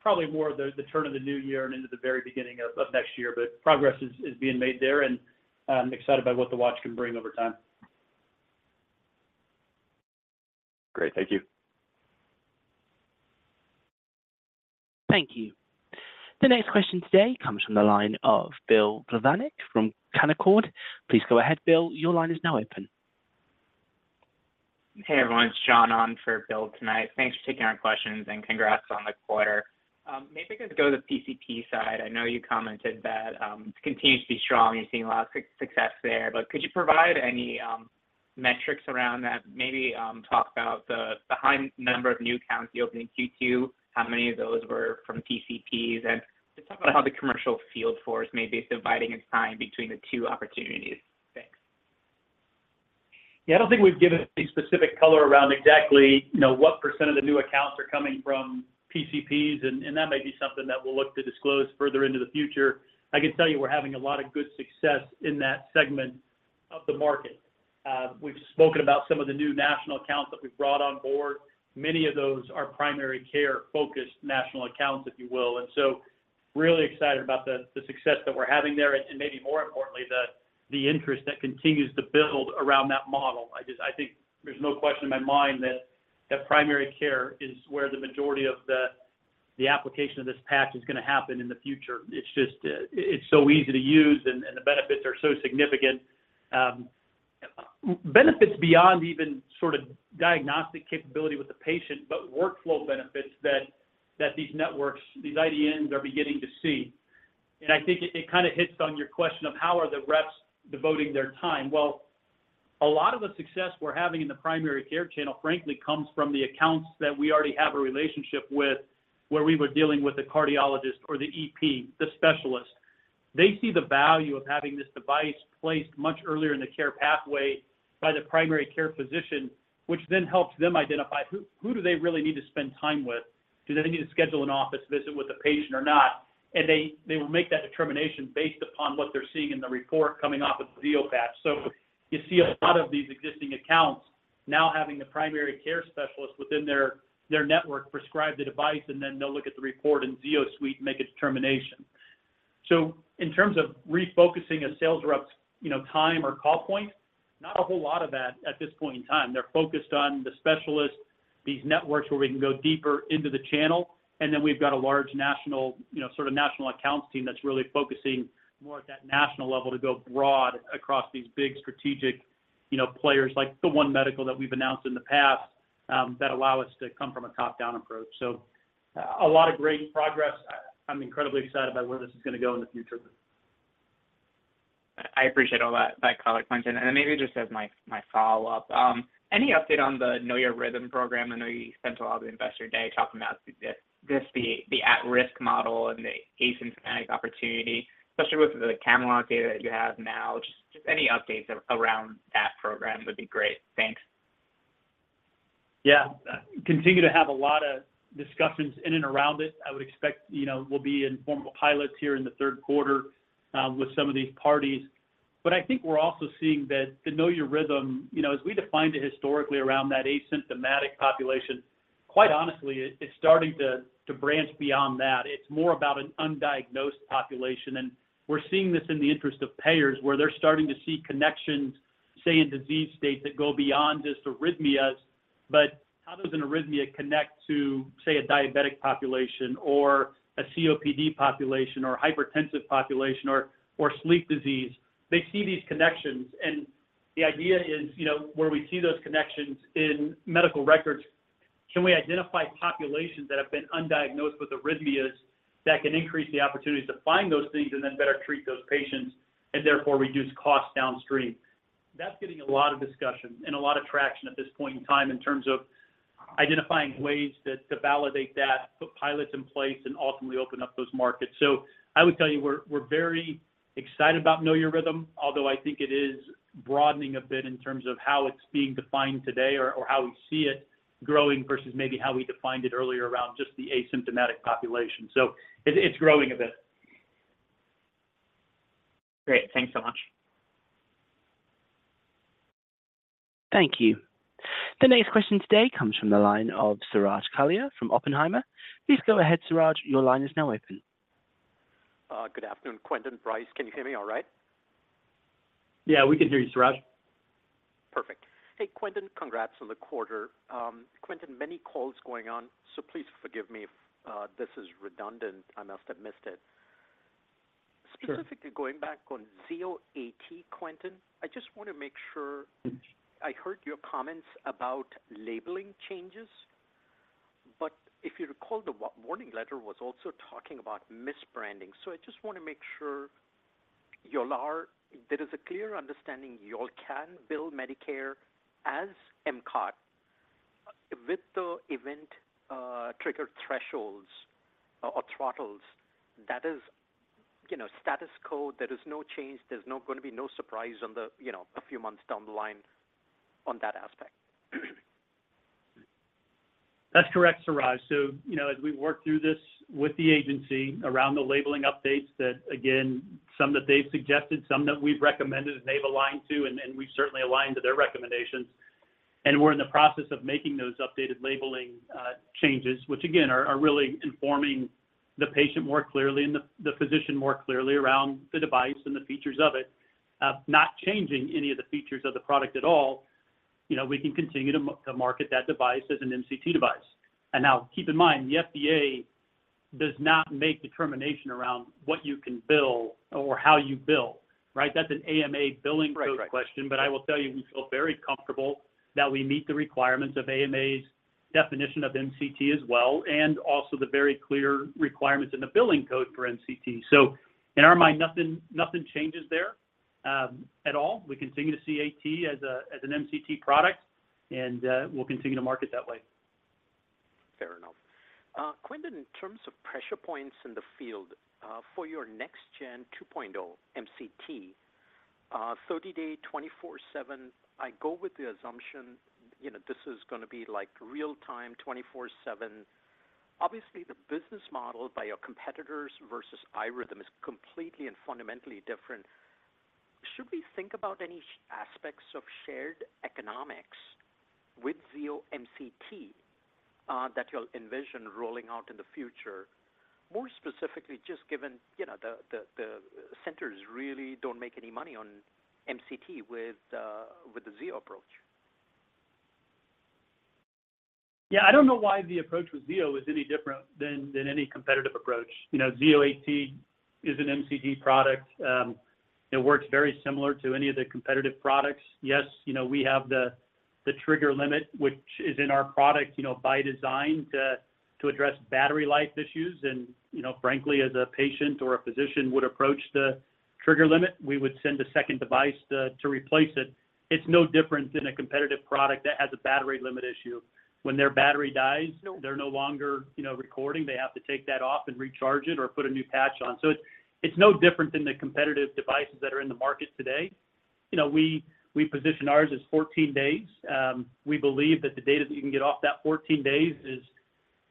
probably more the, the turn of the new year and into the very beginning of, of next year. Progress is, is being made there, and I'm excited by what the Watch can bring over time. Great. Thank you. Thank you. The next question today comes from the line of Bill Plovanic from Canaccord. Please go ahead, Bill. Your line is now open. Hey, everyone, it's Jon on for Bill tonight. Thanks for taking our questions. Congrats on the quarter. Maybe I could go to the PCP side. I know you commented that it continues to be strong and you're seeing a lot of success there. Could you provide any metrics around that? Maybe talk about the behind number of new accounts you opened in Q2, how many of those were from PCPs. Just talk about how the commercial field force may be dividing its time between the two opportunities. Thanks. Yeah, I don't think we've given any specific color around exactly, you know, what percent of the new accounts are coming from PCPs, and that may be something that we'll look to disclose further into the future. I can tell you we're having a lot of good success in that segment of the market. We've spoken about some of the new national accounts that we've brought on board. Many of those are primary care-focused national accounts, if you will. Really excited about the success that we're having there, and maybe more importantly, the interest that continues to build around that model. I think there's no question in my mind that primary care is where the majority of the application of this patch is gonna happen in the future. It's just, it's so easy to use, and, and the benefits are so significant. Benefits beyond even sort of diagnostic capability with the patient, but workflow benefits that, that these networks, these IDNs are beginning to see. I think it, it kind of hits on your question of how are the reps devoting their time? A lot of the success we're having in the primary care channel, frankly, comes from the accounts that we already have a relationship with, where we were dealing with a cardiologist or the EP, the specialist. They see the value of having this device placed much earlier in the care pathway by the primary care physician, which then helps them identify who, who do they really need to spend time with? Do they need to schedule an office visit with the patient or not? They, they will make that determination based upon what they're seeing in the report coming off of the Zio patch. You see a lot of these existing accounts now having the primary care specialist within their, their network prescribe the device, and then they'll look at the report in ZioSuite and make a determination. In terms of refocusing a sales rep's, you know, time or call point, not a whole lot of that at this point in time. They're focused on the specialist, these networks where we can go deeper into the channel, and then we've got a large national, you know, sort of national accounts team that's really focusing more at that national level to go broad across these big strategic, you know, players like the One Medical that we've announced in the past, that allow us to come from a top-down approach. A lot of great progress. I'm incredibly excited about where this is gonna go in the future. I appreciate all that, that color, Quentin. Then maybe just as my, my follow-up, any update on the Know Your Rhythm program? I know you spent a lot of the Investor Day talking about the at-risk model and the asymptomatic opportunity, especially with the Camelot data that you have now. Just, just any updates around that program would be great. Thanks. Yeah. Continue to have a lot of discussions in and around it. I would expect, you know, we'll be in formal pilots here in the third quarter, with some of these parties. I think we're also seeing that the Know Your Rhythm, you know, as we defined it historically around that asymptomatic population, quite honestly, it, it's starting to, to branch beyond that. It's more about an undiagnosed population, and we're seeing this in the interest of payers, where they're starting to see connections, say, in disease states that go beyond just arrhythmias. How does an arrhythmia connect to, say, a diabetic population or a COPD population or hypertensive population or, or sleep disease? They see these connections, and the idea is, you know, where we see those connections in medical records, can we identify populations that have been undiagnosed with arrhythmias that can increase the opportunity to find those things and then better treat those patients and therefore reduce costs downstream? That's getting a lot of discussion and a lot of traction at this point in time in terms of identifying ways to, to validate that, put pilots in place, and ultimately open up those markets. I would tell you, we're, we're very excited about Know Your Rhythm, although I think it is broadening a bit in terms of how it's being defined today or, or how we see it growing versus maybe how we defined it earlier around just the asymptomatic population. It, it's growing a bit. Great. Thanks so much. Thank you. The next question today comes from the line of Suraj Kalia from Oppenheimer. Please go ahead, Suraj. Your line is now open. Good afternoon, Quentin, Brice. Can you hear me all right? Yeah, we can hear you, Suraj. Perfect. Hey, Quentin, congrats on the quarter. Quentin, many calls going on, so please forgive me if this is redundant. I must have missed it. Sure. Specifically going back on Zio AT, Quentin, I just want to make sure I heard your comments about labeling changes. If you recall, the warning letter was also talking about misbranding. I just want to make sure you all are. There is a clear understanding you all can bill Medicare as MCOT with the event, triggered thresholds or, or throttles. That is, you know, status code. There is no change. There's no going to be no surprise on the, you know, a few months down the line on that aspect. That's correct, Suraj. You know, as we work through this with the agency around the labeling updates, that again, some that they've suggested, some that we've recommended and they've aligned to, and, and we've certainly aligned to their recommendations. We're in the process of making those updated labeling changes, which again, are, are really informing the patient more clearly and the, the physician more clearly around the device and the features of it, not changing any of the features of the product at all. You know, we can continue to market that device as an MCT device. Now, keep in mind, the FDA does not make determination around what you can bill or how you bill. Right? That's an AMA billing code question. Right. I will tell you, we feel very comfortable that we meet the requirements of AMA's definition of MCT as well, and also the very clear requirements in the billing code for MCT. In our mind, nothing, nothing changes there at all. We continue to see AT as a, as an MCT product, and we'll continue to market that way. Fair enough. Quentin, in terms of pressure points in the field, for your next gen two point point MCT, 30-day, twenty-four seven, I go with the assumption, you know, this is gonna be like real time, twenty-four seven. Obviously, the business model by your competitors versus iRhythm is completely and fundamentally different. Should we think about any aspects of shared economics with Zio MCT, that you'll envision rolling out in the future? More specifically, just given, you know, the, the, the centers really don't make any money on MCT with, with the Zio approach. Yeah, I don't know why the approach with Zio is any different than, than any competitive approach. You know, Zio AT is an MCT product. It works very similar to any of the competitive products. Yes, you know, we have the, the trigger limit, which is in our product, you know, by design to, to address battery life issues. You know, frankly, as a patient or a physician would approach the trigger limit, we would send a second device to, to replace it. It's no different than a competitive product that has a battery limit issue. When their battery dies, they're no longer, you know, recording. They have to take that off and recharge it or put a new patch on. It's, it's no different than the competitive devices that are in the market today. You know, we, we position ours as 14 days. We believe that the data that you can get off that 14 days is,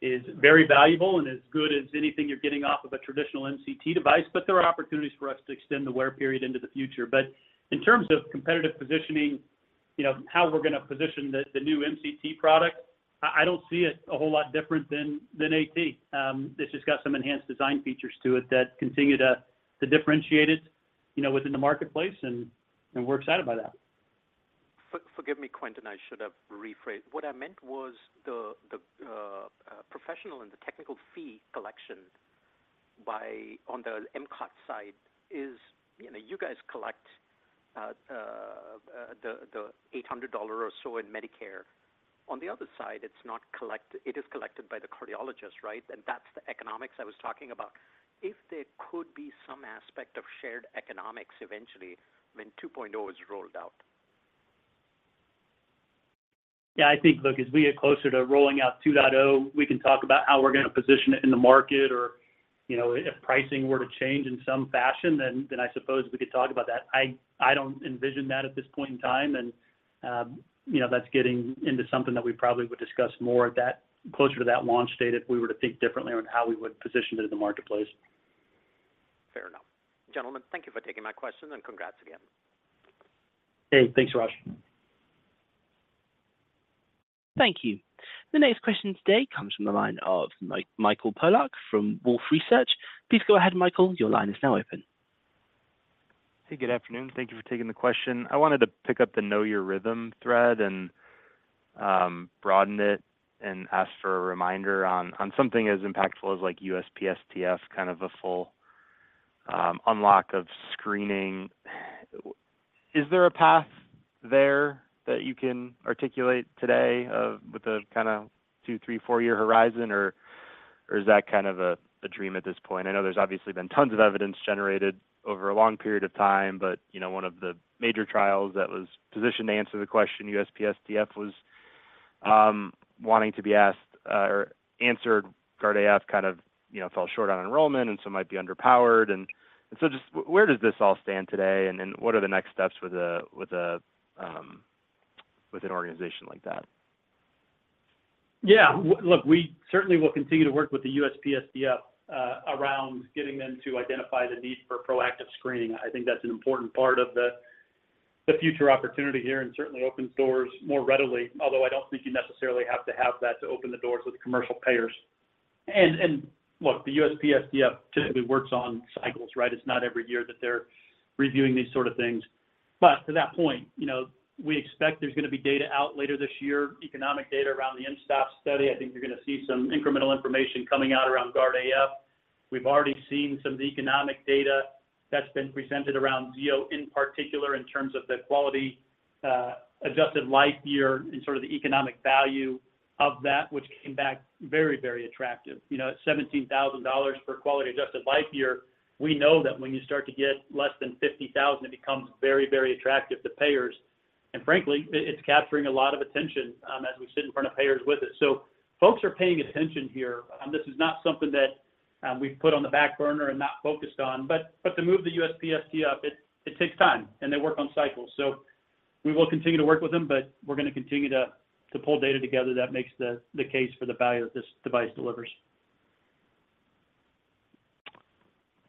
is very valuable and as good as anything you're getting off of a traditional MCT device, but there are opportunities for us to extend the wear period into the future. But in terms of competitive positioning, you know, how we're going to position the, the new MCT product, I, I don't see it a whole lot different than, than AT. It's just got some enhanced design features to it that continue to, to differentiate it, you know, within the marketplace, and, and we're excited by that. Forgive me, Quentin, I should have rephrased. What I meant was the professional and the technical fee collection by, on the MCOT side is, you know, you guys collect the $800 or so in Medicare. On the other side, it's not collected, it is collected by the cardiologist, right? That's the economics I was talking about. If there could be some aspect of shared economics eventually, when 2.0 is rolled out. Yeah, I think, look, as we get closer to rolling out 2.0, we can talk about how we're going to position it in the market, or, you know, if pricing were to change in some fashion, then, then I suppose we could talk about that. I, I don't envision that at this point in time, and, you know, that's getting into something that we probably would discuss more closer to that launch date if we were to think differently on how we would position it in the marketplace. Fair enough. Gentlemen, thank you for taking my questions, and congrats again. Hey, thanks, Suraj. Thank you. The next question today comes from the line of Michael Polark from Wolfe Research. Please go ahead, Michael. Your line is now open. Hey, good afternoon. Thank you for taking the question. I wanted to pick up the Know Your Rhythm thread and, broaden it and ask for a reminder on, on something as impactful as like USPSTF, kind of a full, unlock of screening. Is there a path there that you can articulate today of, with the kinda two, three, four-year horizon, or is that kind of a, a dream at this point? I know there's obviously been tons of evidence generated over a long period of time, but, you know, one of the major trials that was positioned to answer the question, USPSTF, was, wanting to be asked, or answered, GUARD-AF kind of, you know, fell short on enrollment, so might be underpowered. Just where does this all stand today, and then what are the next steps with a, with a, with an organization like that? Yeah, look, we certainly will continue to work with the USPSTF around getting them to identify the need for proactive screening. I think that's an important part of the future opportunity here, and certainly opens doors more readily. Although I don't think you necessarily have to have that to open the doors with commercial payers. Look, the USPSTF typically works on cycles, right? It's not every year that they're reviewing these sort of things. To that point, you know, we expect there's gonna be data out later this year, economic data around the mSToPS study. I think you're gonna see some incremental information coming out around GUARD-AF. We've already seen some of the economic data that's been presented around Zio, in particular, in terms of the quality-adjusted life year and sort of the economic value of that, which came back very, very attractive. You know, at $17,000 per quality-adjusted life year, we know that when you start to get less than $50,000, it becomes very, very attractive to payers. Frankly, it, it's capturing a lot of attention as we sit in front of payers with it. Folks are paying attention here. This is not something that we've put on the back burner and not focused on, but to move the USPSTF, it, it takes time, and they work on cycles. We will continue to work with them, but we're gonna continue to, to pull data together that makes the, the case for the value that this device delivers.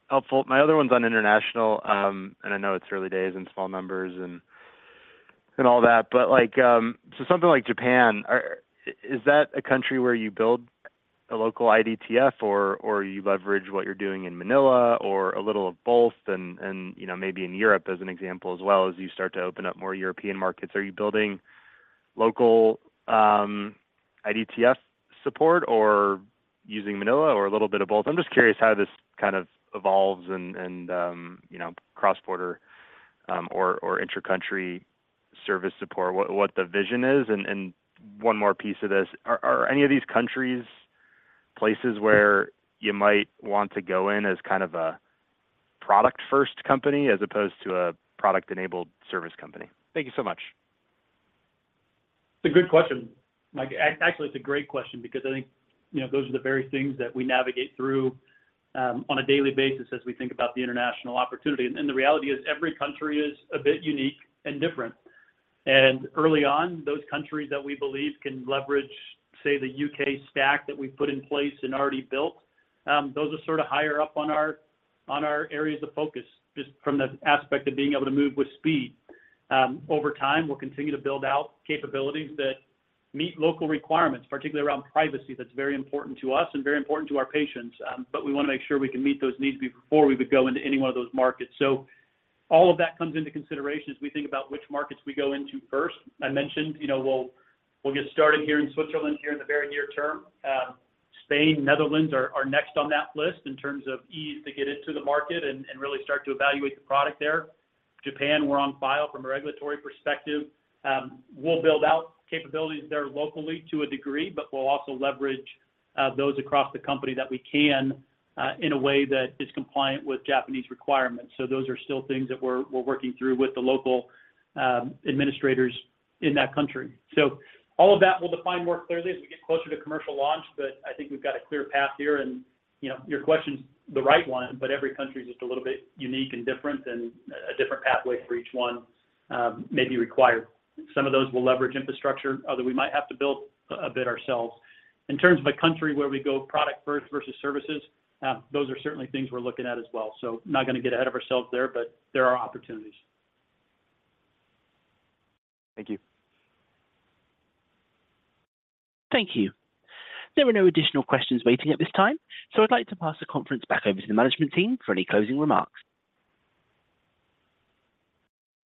Helpful. My other one's on international, and I know it's early days and small numbers and, and all that, but like, so something like Japan, is that a country where you build a local IDTF, or, or you leverage what you're doing in Manila or a little of both? You know, maybe in Europe, as an example as well, as you start to open up more European markets, are you building local IDTF support or using Manila or a little bit of both? I'm just curious how this kind of evolves and, and, you know, cross-border, or, or intercountry service support, what, what the vision is. One more piece of this. Are, are any of these countries places where you might want to go in as kind of a product-first company as opposed to a product-enabled service company? Thank you so much. It's a good question, Mike. actually, it's a great question because I think, you know, those are the very things that we navigate through on a daily basis as we think about the international opportunity. The reality is every country is a bit unique and different. Early on, those countries that we believe can leverage, say, the UK stack that we put in place and already built, those are sort of higher up on our, on our areas of focus, just from the aspect of being able to move with speed. Over time, we'll continue to build out capabilities that meet local requirements, particularly around privacy. That's very important to us and very important to our patients. We wanna make sure we can meet those needs before we would go into any one of those markets. All of that comes into consideration as we think about which markets we go into first. I mentioned, you know, we'll, we'll get started here in Switzerland here in the very near term. Spain, Netherlands are, are next on that list in terms of ease to get into the market and, and really start to evaluate the product there. Japan, we're on file from a regulatory perspective. We'll build out capabilities there locally to a degree, but we'll also leverage those across the company that we can in a way that is compliant with Japanese requirements. Those are still things that we're, we're working through with the local administrators in that country. All of that will define more clearly as we get closer to commercial launch, but I think we've got a clear path here, and, you know, your question's the right one, but every country is just a little bit unique and different, and a different pathway for each one may be required. Some of those will leverage infrastructure, other we might have to build a bit ourselves. In terms of a country where we go product first versus services, those are certainly things we're looking at as well. Not gonna get ahead of ourselves there, but there are opportunities. Thank you. Thank you. There are no additional questions waiting at this time. I'd like to pass the conference back over to the management team for any closing remarks.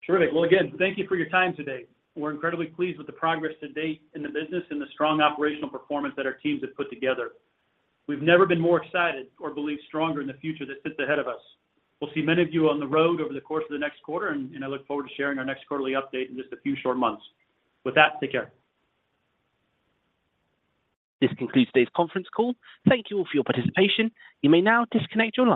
Terrific. Well, again, thank you for your time today. We're incredibly pleased with the progress to date in the business and the strong operational performance that our teams have put together. We've never been more excited or believe stronger in the future that sits ahead of us. We'll see many of you on the road over the course of the next quarter, and I look forward to sharing our next quarterly update in just a few short months. With that, take care. This concludes today's conference call. Thank you all for your participation. You may now disconnect your lines.